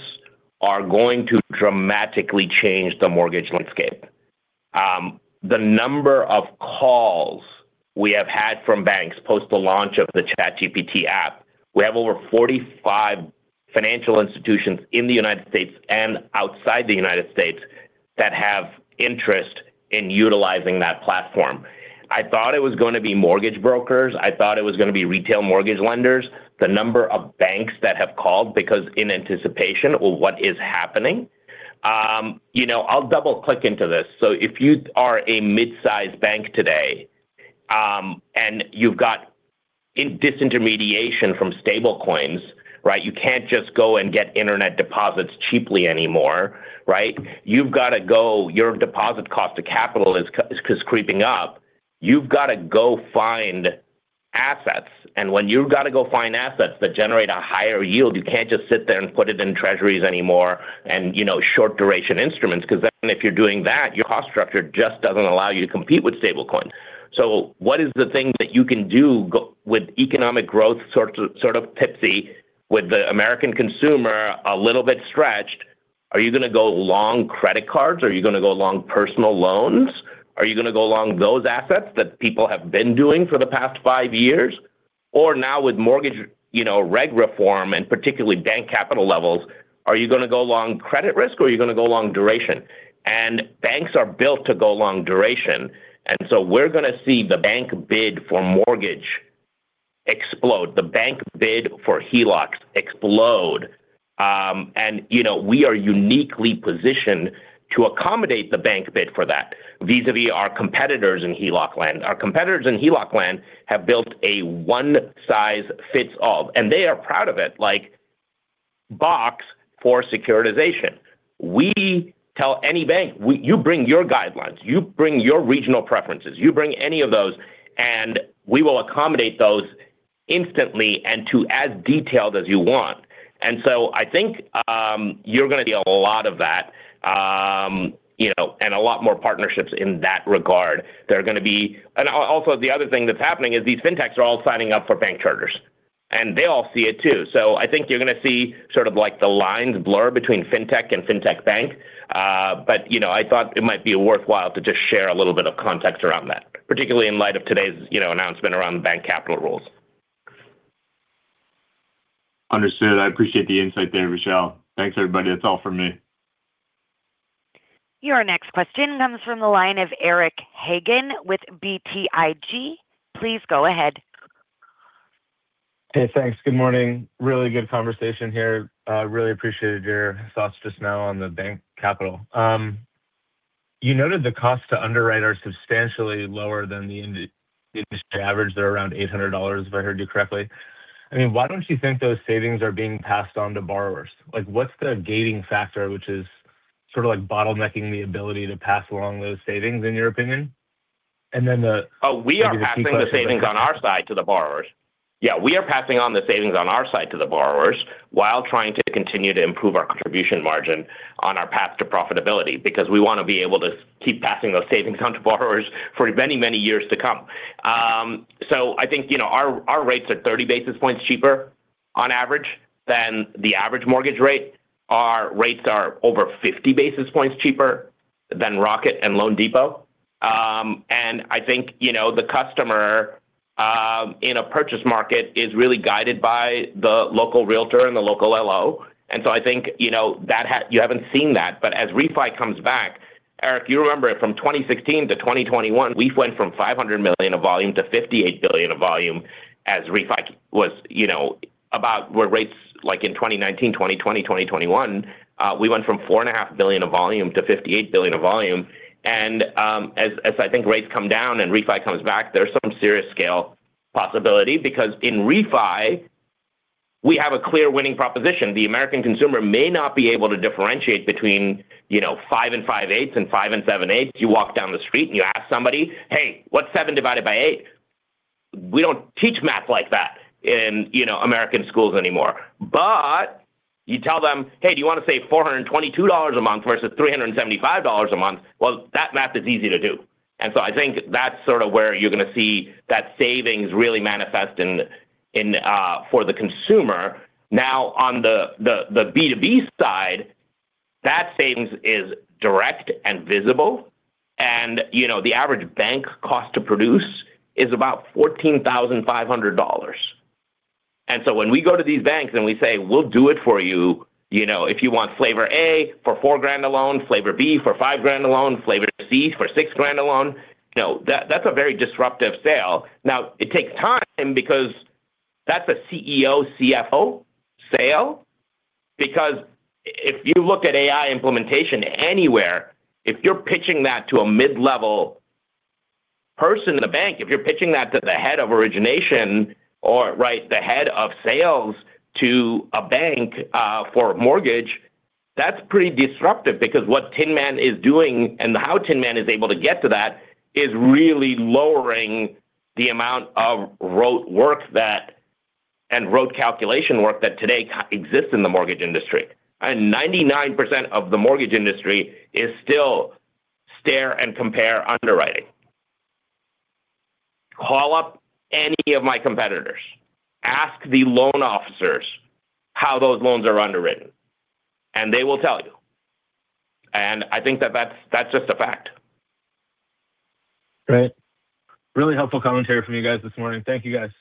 [SPEAKER 3] are going to dramatically change the mortgage landscape. The number of calls we have had from banks post the launch of the ChatGPT app, we have over 45 financial institutions in the United States and outside the United States that have interest in utilizing that platform. I thought it was gonna be mortgage brokers. I thought it was gonna be retail mortgage lenders. The number of banks that have called because in anticipation of what is happening, you know, I'll double-click into this. If you are a midsize bank today, and you've got disintermediation from stablecoins, right? You can't just go and get internet deposits cheaply anymore, right? You've gotta go. Your deposit cost to capital is creeping up. You've gotta go find assets. When you've gotta go find assets that generate a higher yield, you can't just sit there and put it in Treasuries anymore and, you know, short duration instruments, 'cause then if you're doing that, your cost structure just doesn't allow you to compete with stablecoins. What is the thing that you can do with economic growth sort of tepid with the American consumer a little bit stretched? Are you gonna go long credit cards? Are you gonna go long personal loans? Are you gonna go long those assets that people have been doing for the past five years? Now with mortgage, you know, reg reform and particularly bank capital levels, are you gonna go long credit risk or are you gonna go long duration? Banks are built to go long duration. We're gonna see the bank bid for mortgage explode, the bank bid for HELOCs explode. You know, we are uniquely positioned to accommodate the bank bid for that vis-a-vis our competitors in HELOC land. Our competitors in HELOC land have built a one size fits all, and they are proud of it, like box for securitization. We tell any bank, "You bring your guidelines, you bring your regional preferences, you bring any of those, and we will accommodate those instantly and to as detailed as you want." I think, you're gonna see a lot of that, you know, and a lot more partnerships in that regard. The other thing that's happening is these fintechs are all signing up for bank charters, and they all see it too. I think you're gonna see sort of like the lines blur between fintech and fintech bank. But you know, I thought it might be worthwhile to just share a little bit of context around that, particularly in light of today's, you know, announcement around bank capital rules.
[SPEAKER 7] Understood. I appreciate the insight there, Vishal. Thanks, everybody. That's all from me.
[SPEAKER 1] Your next question comes from the line of Eric Hagen with BTIG. Please go ahead.
[SPEAKER 8] Hey, thanks. Good morning. Really good conversation here. Really appreciated your thoughts just now on the bank capital. You noted the cost to underwrite are substantially lower than the industry average. They're around $800 if I heard you correctly. I mean, why don't you think those savings are being passed on to borrowers? Like, what's the gating factor, which is sort of like bottlenecking the ability to pass along those savings in your opinion? Oh, we are passing the savings on our side to the borrowers. Yeah, we are passing on the savings on our side to the borrowers while trying to continue to improve our contribution margin on our path to profitability, because we wanna be able to keep passing those savings on to borrowers for many, many years to come.
[SPEAKER 3] I think, you know, our rates are 30 basis points cheaper on average than the average mortgage rate. Our rates are over 50 basis points cheaper than Rocket Mortgage and loanDepot. I think, you know, the customer in a purchase market is really guided by the local realtor and the local LO. I think, you know, that you haven't seen that, but as refi comes back, Eric, you remember from 2016-2021, we've went from $500 million of volume to $58 billion of volume as refi was, you know, about where rates like in 2019, 2020, 2021, we went from $4.5 billion of volume to $58 billion of volume. I think rates come down and refi comes back, there's some serious scale possibility because in refi, we have a clear winning proposition. The American consumer may not be able to differentiate between, you know, 5 and 5/8, and 5 and 7/8. You walk down the street and you ask somebody, "Hey, what's seven divided by eight?" We don't teach math like that in, you know, American schools anymore. But you tell them, "Hey, do you wanna save $422 a month versus $375 a month?" Well, that math is easy to do. I think that's sort of where you're gonna see that savings really manifest in for the consumer. Now on the B2B side, that savings is direct and visible and, you know, the average bank cost to produce is about $14,500. When we go to these banks and we say, "We'll do it for you know, if you want flavor A for $4,000 a loan, flavor B for $5,000 a loan, flavor C for $6,000 a loan," you know, that's a very disruptive sale. Now it takes time because that's a CEO, CFO sale because if you look at AI implementation anywhere, if you're pitching that to a mid-level person in a bank, if you're pitching that to the head of origination or right, the head of sales to a bank, for a mortgage, that's pretty disruptive because what Tinman is doing and how Tinman is able to get to that is really lowering the amount of rote work that and rote calculation work that today exists in the mortgage industry. 99% of the mortgage industry is still stare and compare underwriting. Call up any of my competitors, ask the loan officers how those loans are underwritten, and they will tell you. I think that's just a fact.
[SPEAKER 8] Great. Really helpful commentary from you guys this morning. Thank you, guys.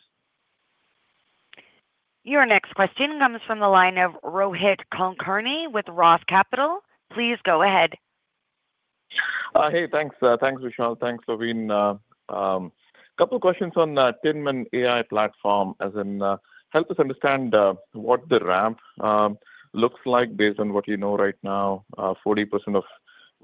[SPEAKER 1] Your next question comes from the line of Rohit Kulkarni with ROTH Capital. Please go ahead.
[SPEAKER 9] Hey, thanks. Thanks Vishal, thanks Loveen. Couple questions on the Tinman AI platform as in, help us understand what the ramp looks like based on what you know right now. 40% of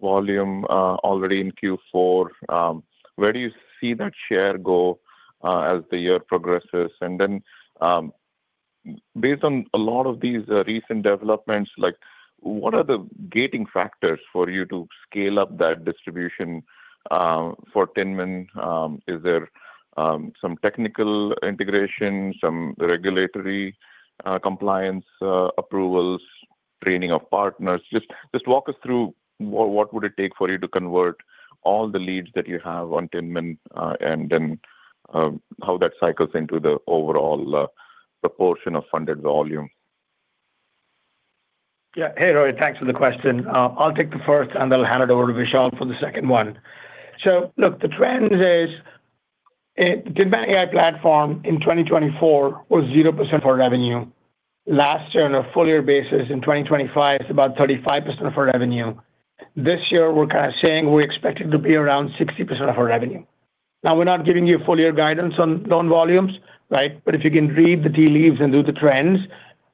[SPEAKER 9] volume already in Q4. Where do you see that share go as the year progresses? Then, based on a lot of these recent developments, like what are the gating factors for you to scale up that distribution for Tinman? Is there some technical integration, some regulatory compliance approvals, training of partners? Just walk us through what would it take for you to convert all the leads that you have on Tinman, and then how that cycles into the overall proportion of funded volume.
[SPEAKER 4] Yeah. Hey Rohit, thanks for the question. I'll take the first and then I'll hand it over to Vishal for the second one. Look, the trend is, Tinman AI platform in 2024 was 0% of our revenue. Last year on a full year basis in 2025 it's about 35% of our revenue. This year we're kind of saying we expect it to be around 60% of our revenue. Now we're not giving you full year guidance on loan volumes, right? If you can read the tea leaves and do the trends,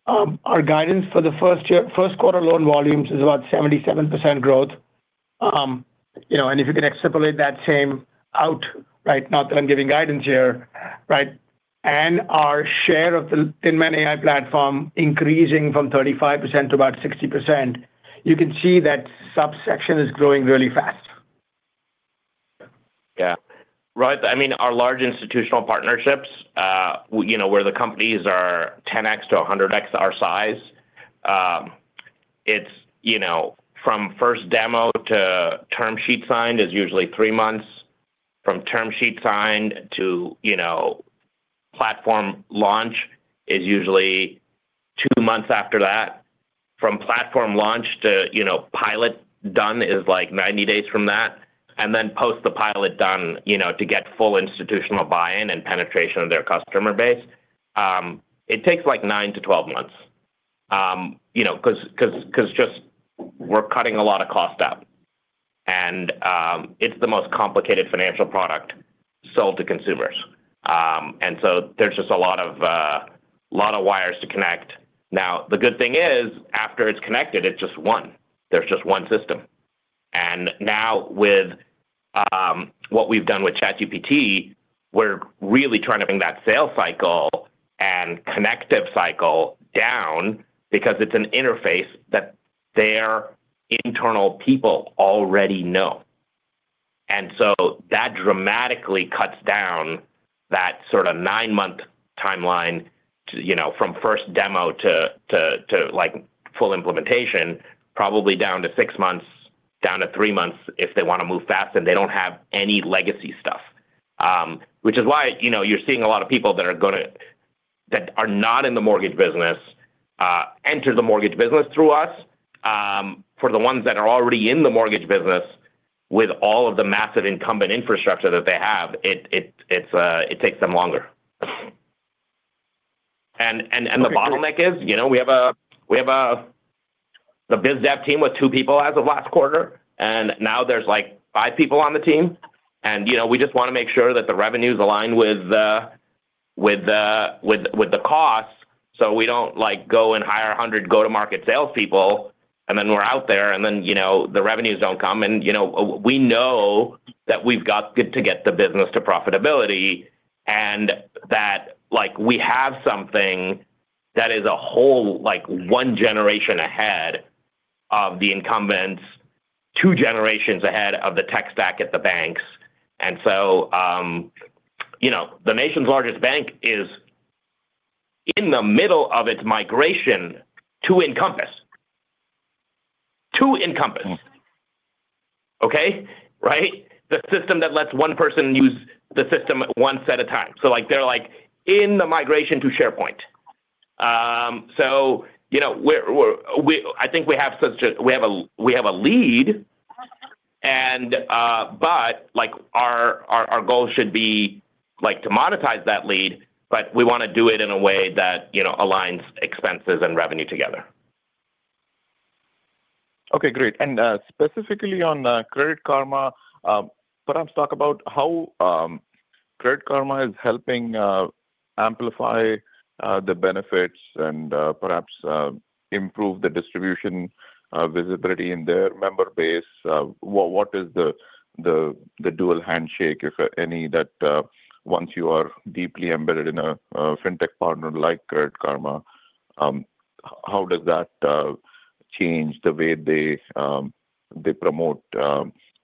[SPEAKER 4] our guidance for the first quarter loan volumes is about 77% growth. You know, and if you can extrapolate that same out, right? Not that I'm giving guidance here, right? Our share of the Tinman AI platform increasing from 35% to about 60%, you can see that subsection is growing really fast.
[SPEAKER 3] Yeah. Right. I mean, our large institutional partnerships, you know, where the companies are 10x to 100x our size, it's, you know, from first demo to term sheet signed is usually three months. From term sheet signed to, you know, platform launch is usually two months after that. From platform launch to, you know, pilot done is like 90 days from that. Post the pilot done, you know, to get full institutional buy-in and penetration of their customer base, it takes like 9-12 months. You know, 'cause just we're cutting a lot of cost out and, it's the most complicated financial product sold to consumers. And so there's just a lot of wires to connect. Now, the good thing is after it's connected, it's just one. There's just one system. Now with what we've done with ChatGPT, we're really trying to bring that sales cycle and connective cycle down because it's an interface that their internal people already know. That dramatically cuts down that sort of nine-month timeline to, you know, from first demo to like full implementation, probably down to six months, down to three months if they wanna move fast and they don't have any legacy stuff. Which is why, you know, you're seeing a lot of people that are not in the mortgage business enter the mortgage business through us. For the ones that are already in the mortgage business with all of the massive incumbent infrastructure that they have, it takes them longer. The bottleneck is, you know, we have a biz dev team with two people as of last quarter, and now there's like five people on the team. You know, we just wanna make sure that the revenues align with the costs. We don't like go and hire 100 go-to-market salespeople, and then we're out there and then, you know, the revenues don't come. You know, we know that we've got to get the business to profitability and that like we have something that is a whole like one generation ahead of the incumbents, two generations ahead of the tech stack at the banks. You know, the nation's largest bank is in the middle of its migration to Encompass. To incumbents. Okay? Right? The system that lets one person use the system once at a time. Like they're in the migration to SharePoint. You know, I think we have a lead, but like our goal should be like to monetize that lead, but we wanna do it in a way that, you know, aligns expenses and revenue together.
[SPEAKER 9] Okay, great. Specifically on Credit Karma, perhaps talk about how Credit Karma is helping amplify the benefits and perhaps improve the distribution visibility in their member base. What is the dual handshake, if any, that once you are deeply embedded in a fintech partner like Credit Karma, how does that change the way they promote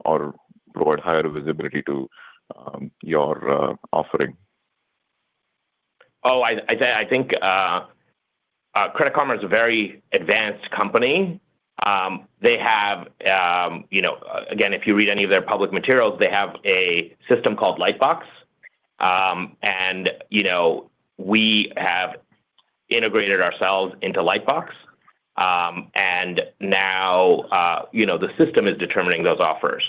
[SPEAKER 9] or provide higher visibility to your offering?
[SPEAKER 3] I think Credit Karma is a very advanced company. They have, you know, again, if you read any of their public materials, they have a system called LightBox. You know, we have integrated ourselves into LightBox. Now, you know, the system is determining those offers.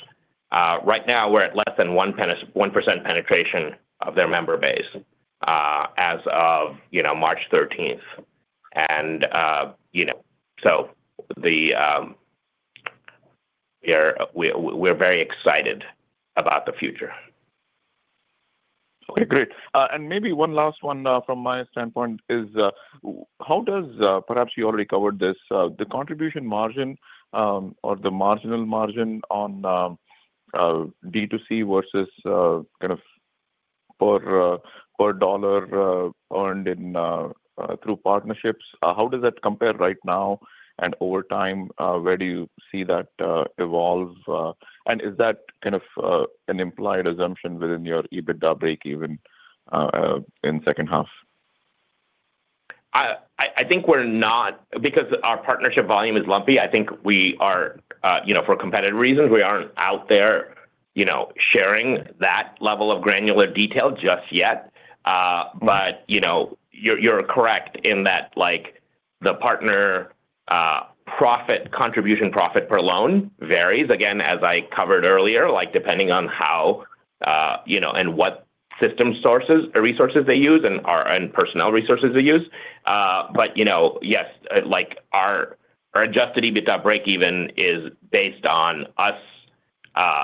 [SPEAKER 3] Right now we're at less than 1% penetration of their member base, as of, you know, March thirteenth. You know, we're very excited about the future.
[SPEAKER 9] Okay, great. Maybe one last one from my standpoint is how does, perhaps you already covered this, the contribution margin or the marginal margin on D2C versus kind of per dollar earned through partnerships compare right now and over time? Where do you see that evolve? Is that kind of an implied assumption within your EBITDA breakeven in second half?
[SPEAKER 3] I think we're not because our partnership volume is lumpy. I think we are, you know, for competitive reasons, we aren't out there, you know, sharing that level of granular detail just yet. You know, you're correct in that, like, the partner profit contribution, profit per loan varies, again, as I covered earlier, like depending on how, you know, and what system sources or resources they use and/or and personnel resources they use. You know, yes, like our Adjusted EBITDA breakeven is based on us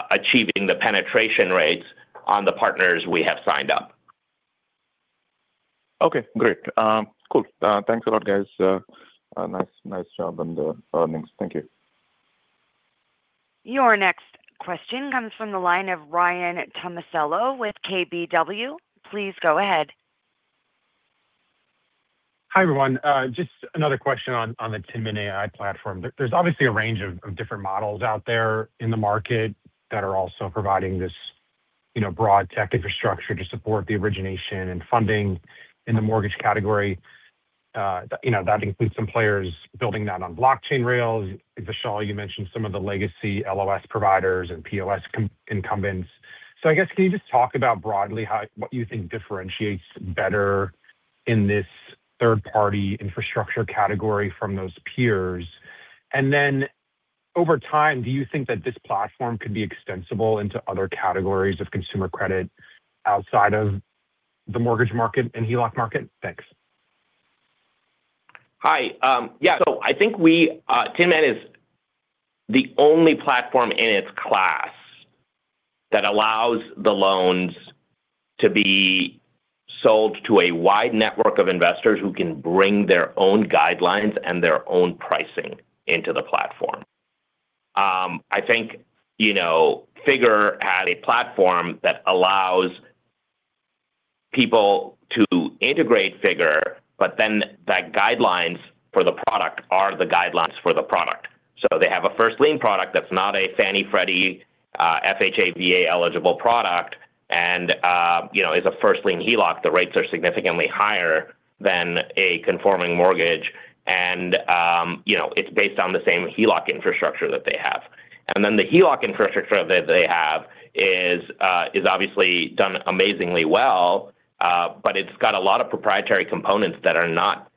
[SPEAKER 3] achieving the penetration rates on the partners we have signed up.
[SPEAKER 9] Okay, great. Cool. Thanks a lot, guys. Nice job on the earnings. Thank you.
[SPEAKER 1] Your next question comes from the line of Ryan Tomasello with KBW. Please go ahead.
[SPEAKER 10] Hi, everyone. Just another question on the Tinman AI platform. There's obviously a range of different models out there in the market that are also providing this, you know, broad tech infrastructure to support the origination and funding in the mortgage category. You know, that includes some players building that on blockchain rails. Vishal, you mentioned some of the legacy LOS providers and POS company incumbents. I guess can you just talk about broadly what you think differentiates Better in this third-party infrastructure category from those peers? Then over time, do you think that this platform could be extensible into other categories of consumer credit outside of the mortgage market and HELOC market? Thanks.
[SPEAKER 3] Hi. Yeah. I think we, Tinman is the only platform in its class that allows the loans to be sold to a wide network of investors who can bring their own guidelines and their own pricing into the platform. I think, you know, Figure had a platform that allows people to integrate Figure, but then the guidelines for the product are the guidelines for the product. They have a first lien product that's not a Fannie, Freddie, FHA, VA-eligible product and, you know, is a first lien HELOC. The rates are significantly higher than a conforming mortgage and, you know, it's based on the same HELOC infrastructure that they have. The HELOC infrastructure that they have is obviously done amazingly well, but it's got a lot of proprietary components that are not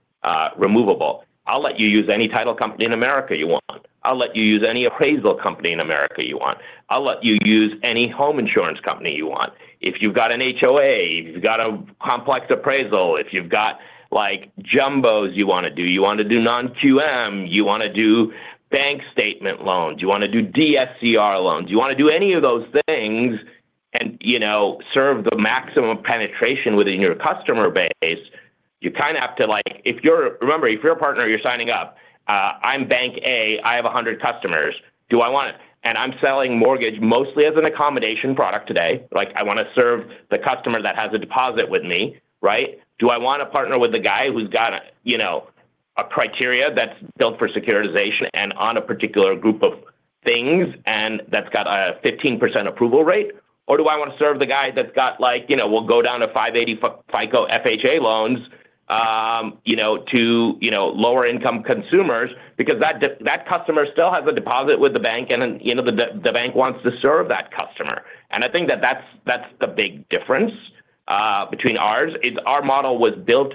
[SPEAKER 3] removable. I'll let you use any title company in America you want. I'll let you use any appraisal company in America you want. I'll let you use any home insurance company you want. If you've got an HOA, if you've got a complex appraisal, if you've got like jumbos you wanna do, you wanna do Non-QM, you wanna do bank statement loans, you wanna do DSCR loans, you wanna do any of those things and, you know, serve the maximum penetration within your customer base. You kind of have to remember, if you're a partner, you're signing up, I'm bank A, I have 100 customers. Do I want it? I'm selling mortgage mostly as an accommodation product today. Like, I wanna serve the customer that has a deposit with me, right? Do I wanna partner with the guy who's got, you know, a criteria that's built for securitization and on a particular group of things and that's got a 15% approval rate? Or do I want to serve the guy that's got like, you know, will go down to 580 FICO FHA loans, you know, to, you know, lower-income consumers because that customer still has a deposit with the bank and, you know, the bank wants to serve that customer. I think that's the big difference between ours is our model was built,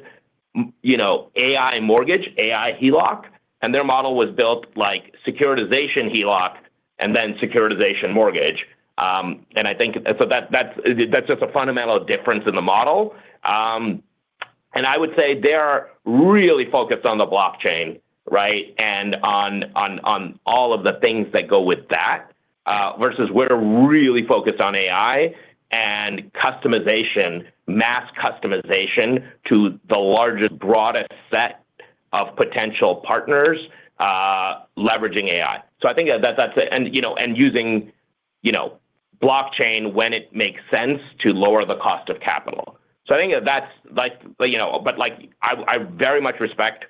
[SPEAKER 3] you know, AI mortgage, aiHELOC, and their model was built like securitization HELOC and then securitization mortgage. That's just a fundamental difference in the model. I would say they're really focused on the blockchain, right? on all of the things that go with that versus we're really focused on AI and customization, mass customization to the largest, broadest set of potential partners, leveraging AI. I think that's it. you know and using you know blockchain when it makes sense to lower the cost of capital. I think that's like you know. like I very much respect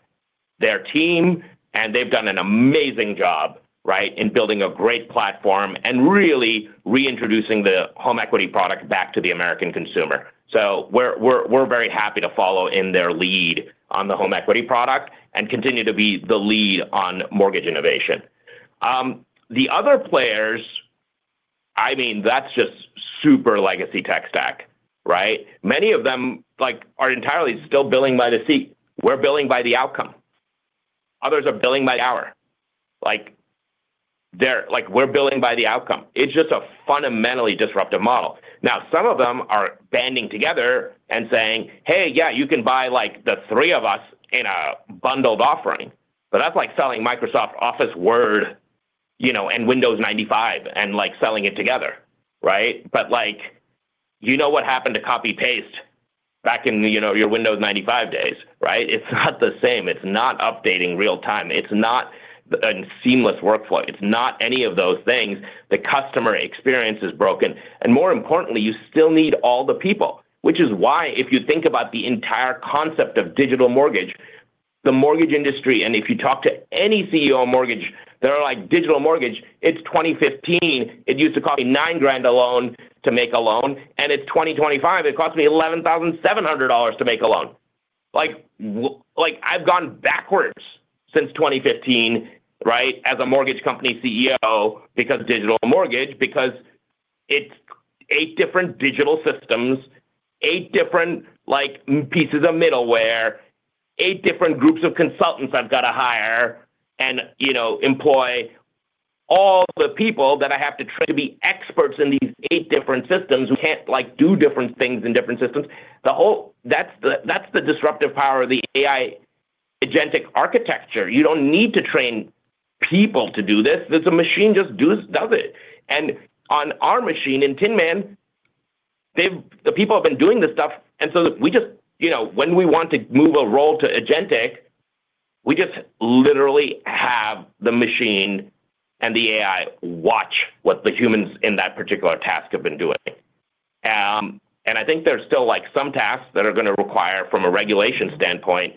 [SPEAKER 3] their team, and they've done an amazing job, right, in building a great platform and really reintroducing the home equity product back to the American consumer. we're very happy to follow in their lead on the home equity product and continue to be the lead on mortgage innovation. the other players, I mean, that's just super legacy tech stack, right? Many of them like are entirely still billing by the seat. We're billing by the outcome. Others are billing by the hour. Like, we're billing by the outcome. It's just a fundamentally disruptive model. Now, some of them are banding together and saying, "Hey, yeah, you can buy like the three of us in a bundled offering." But that's like selling Microsoft Word, you know, and Windows 95 and like selling it together, right? But like, you know what happened to copy-paste back in, you know, your Windows 95 days, right? It's not the same. It's not updating real-time. It's not a seamless workflow. It's not any of those things. The customer experience is broken. More importantly, you still need all the people. Which is why if you think about the entire concept of digital mortgage, the mortgage industry, and if you talk to any CEO of mortgage, they're like, "Digital mortgage, it's 2015, it used to cost me $9,000 a loan to make a loan, and it's 2025, it costs me $11,700 to make a loan." Like, "I've gone backwards since 2015, right, as a mortgage company CEO because digital mortgage, because it's eight different digital systems, eight different like pieces of middleware, eight different groups of consultants I've got to hire and, you know, employ all the people that I have to train to be experts in these eight different systems who can't, like, do different things in different systems." That's the disruptive power of the AI agentic architecture. You don't need to train people to do this. There's a machine just does it. On our machine, in Tinman, the people have been doing this stuff, and so we just, you know, when we want to move a role to agentic, we just literally have the machine and the AI watch what the humans in that particular task have been doing. I think there's still like some tasks that are gonna require, from a regulation standpoint,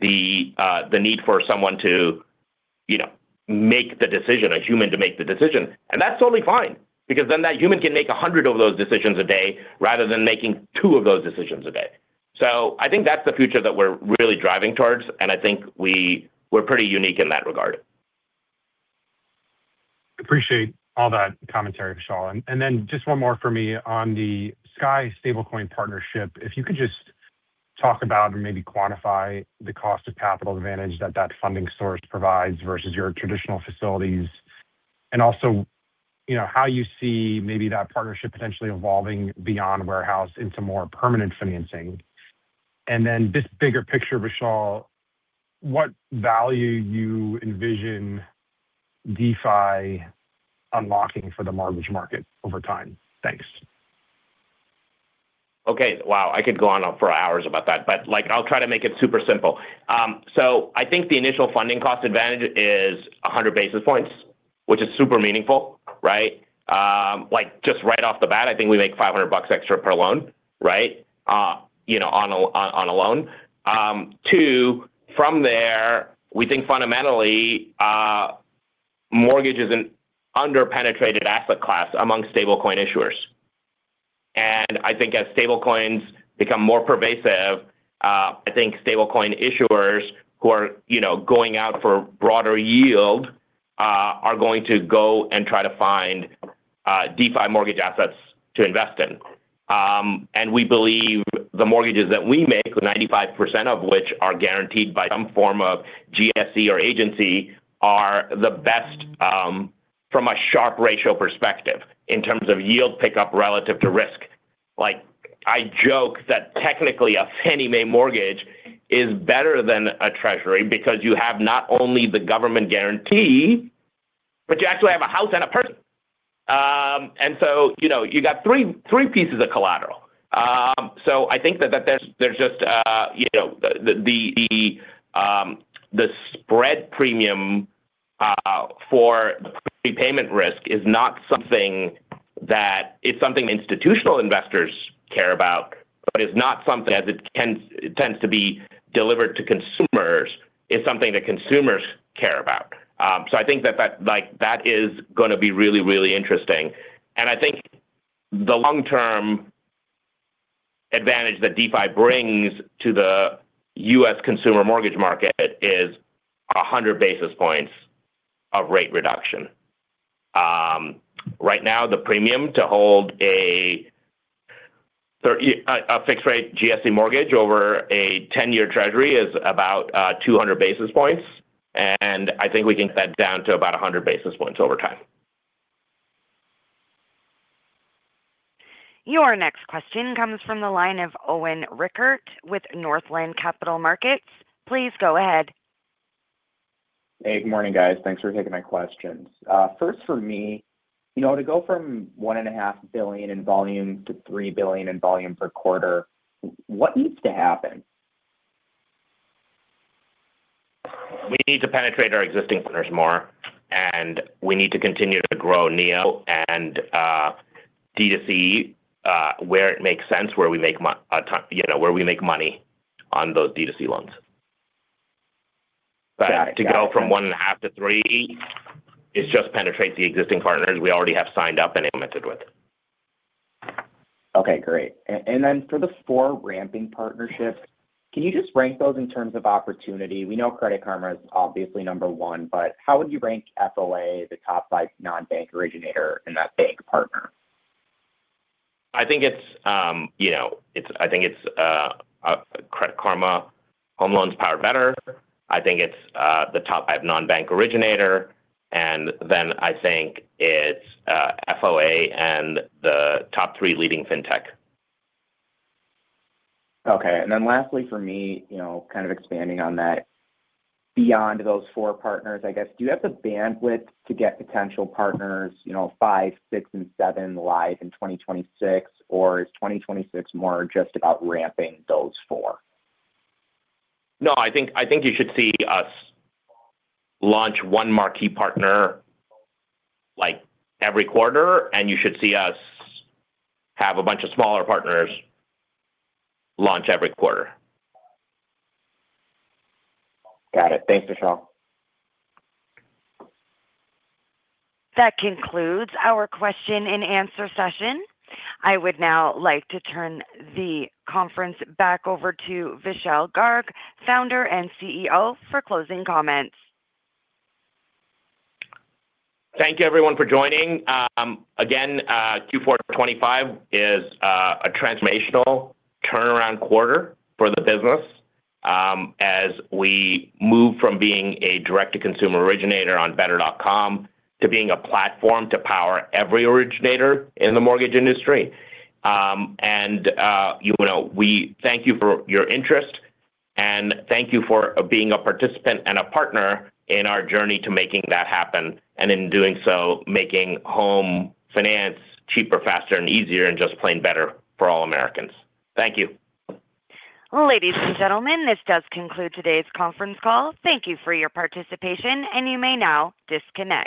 [SPEAKER 3] the need for someone to, you know, make the decision, a human to make the decision. That's totally fine because then that human can make 100 of those decisions a day rather than making 2 of those decisions a day. I think that's the future that we're really driving towards, and I think we're pretty unique in that regard.
[SPEAKER 10] Appreciate all that commentary, Vishal. Just one more for me on the Sky stablecoin partnership. If you could just talk about or maybe quantify the cost of capital advantage that that funding source provides versus your traditional facilities and also, you know, how you see maybe that partnership potentially evolving beyond warehouse into more permanent financing. Just bigger picture, Vishal, what value you envision DeFi unlocking for the mortgage market over time? Thanks.
[SPEAKER 3] Okay. Wow, I could go on for hours about that, but, like, I'll try to make it super simple. I think the initial funding cost advantage is 100 basis points, which is super meaningful, right? Like, just right off the bat, I think we make $500 extra per loan, right? You know, on a loan. Too, from there, we think fundamentally, mortgage is an under-penetrated asset class among stablecoin issuers. I think as stablecoins become more pervasive, I think stablecoin issuers who are, you know, going out for broader yield, are going to go and try to find, DeFi mortgage assets to invest in. We believe the mortgages that we make, 95% of which are guaranteed by some form of GSE or agency, are the best from a Sharpe ratio perspective in terms of yield pickup relative to risk. Like, I joke that technically a Fannie Mae mortgage is better than a treasury because you have not only the government guarantee, but you actually have a house and a person. You know, you got three pieces of collateral. I think that there's just you know, the spread premium for the prepayment risk is not something. That it's something institutional investors care about, but it's not something as it tends to be delivered to consumers is something that consumers care about. I think that like that is gonna be really interesting. I think the long-term advantage that DeFi brings to the U.S. consumer mortgage market is 100 basis points of rate reduction. Right now, the premium to hold a fixed rate GSE mortgage over a 10-year treasury is about 200 basis points, and I think we can get that down to about 100 basis points over time.
[SPEAKER 1] Your next question comes from the line of Owen Rickert with Northland Capital Markets. Please go ahead.
[SPEAKER 11] Hey, good morning, guys. Thanks for taking my questions. First for me, you know, to go from $1.5 billion in volume to $3 billion in volume per quarter, what needs to happen?
[SPEAKER 3] We need to penetrate our existing partners more, and we need to continue to grow Neo and D2C where it makes sense, you know, where we make money on those D2C loans.
[SPEAKER 11] Got it.
[SPEAKER 3] To go from 1.5-3 is just penetrate the existing partners we already have signed up and implemented with.
[SPEAKER 11] Okay, great. And then for the four ramping partnerships, can you just rank those in terms of opportunity? We know Credit Karma is obviously number one, but how would you rank FOA, the top five non-bank originator and that bank partner?
[SPEAKER 3] I think it's Credit Karma Home Loans powered by Better. I think it's the top five non-bank originator, and then I think it's FOA and the top three leading fintech.
[SPEAKER 11] Okay. Lastly for me, you know, kind of expanding on that, beyond those four partners, I guess, do you have the bandwidth to get potential partners, you know, five, six, and seven live in 2026, or is 2026 more just about ramping those four?
[SPEAKER 3] No, I think you should see us launch one marquee partner, like, every quarter, and you should see us have a bunch of smaller partners launch every quarter.
[SPEAKER 11] Got it. Thanks, Vishal.
[SPEAKER 1] That concludes our question and answer session. I would now like to turn the conference back over to Vishal Garg, Founder and CEO, for closing comments.
[SPEAKER 3] Thank you, everyone, for joining. Again, Q4 2025 is a transformational turnaround quarter for the business, as we move from being a direct-to-consumer originator on Better.com to being a platform to power every originator in the mortgage industry. You know, we thank you for your interest and thank you for being a participant and a partner in our journey to making that happen, and in doing so, making home finance cheaper, faster, and easier and just plain better for all Americans. Thank you.
[SPEAKER 1] Ladies and gentlemen, this does conclude today's conference call. Thank you for your participation, and you may now disconnect.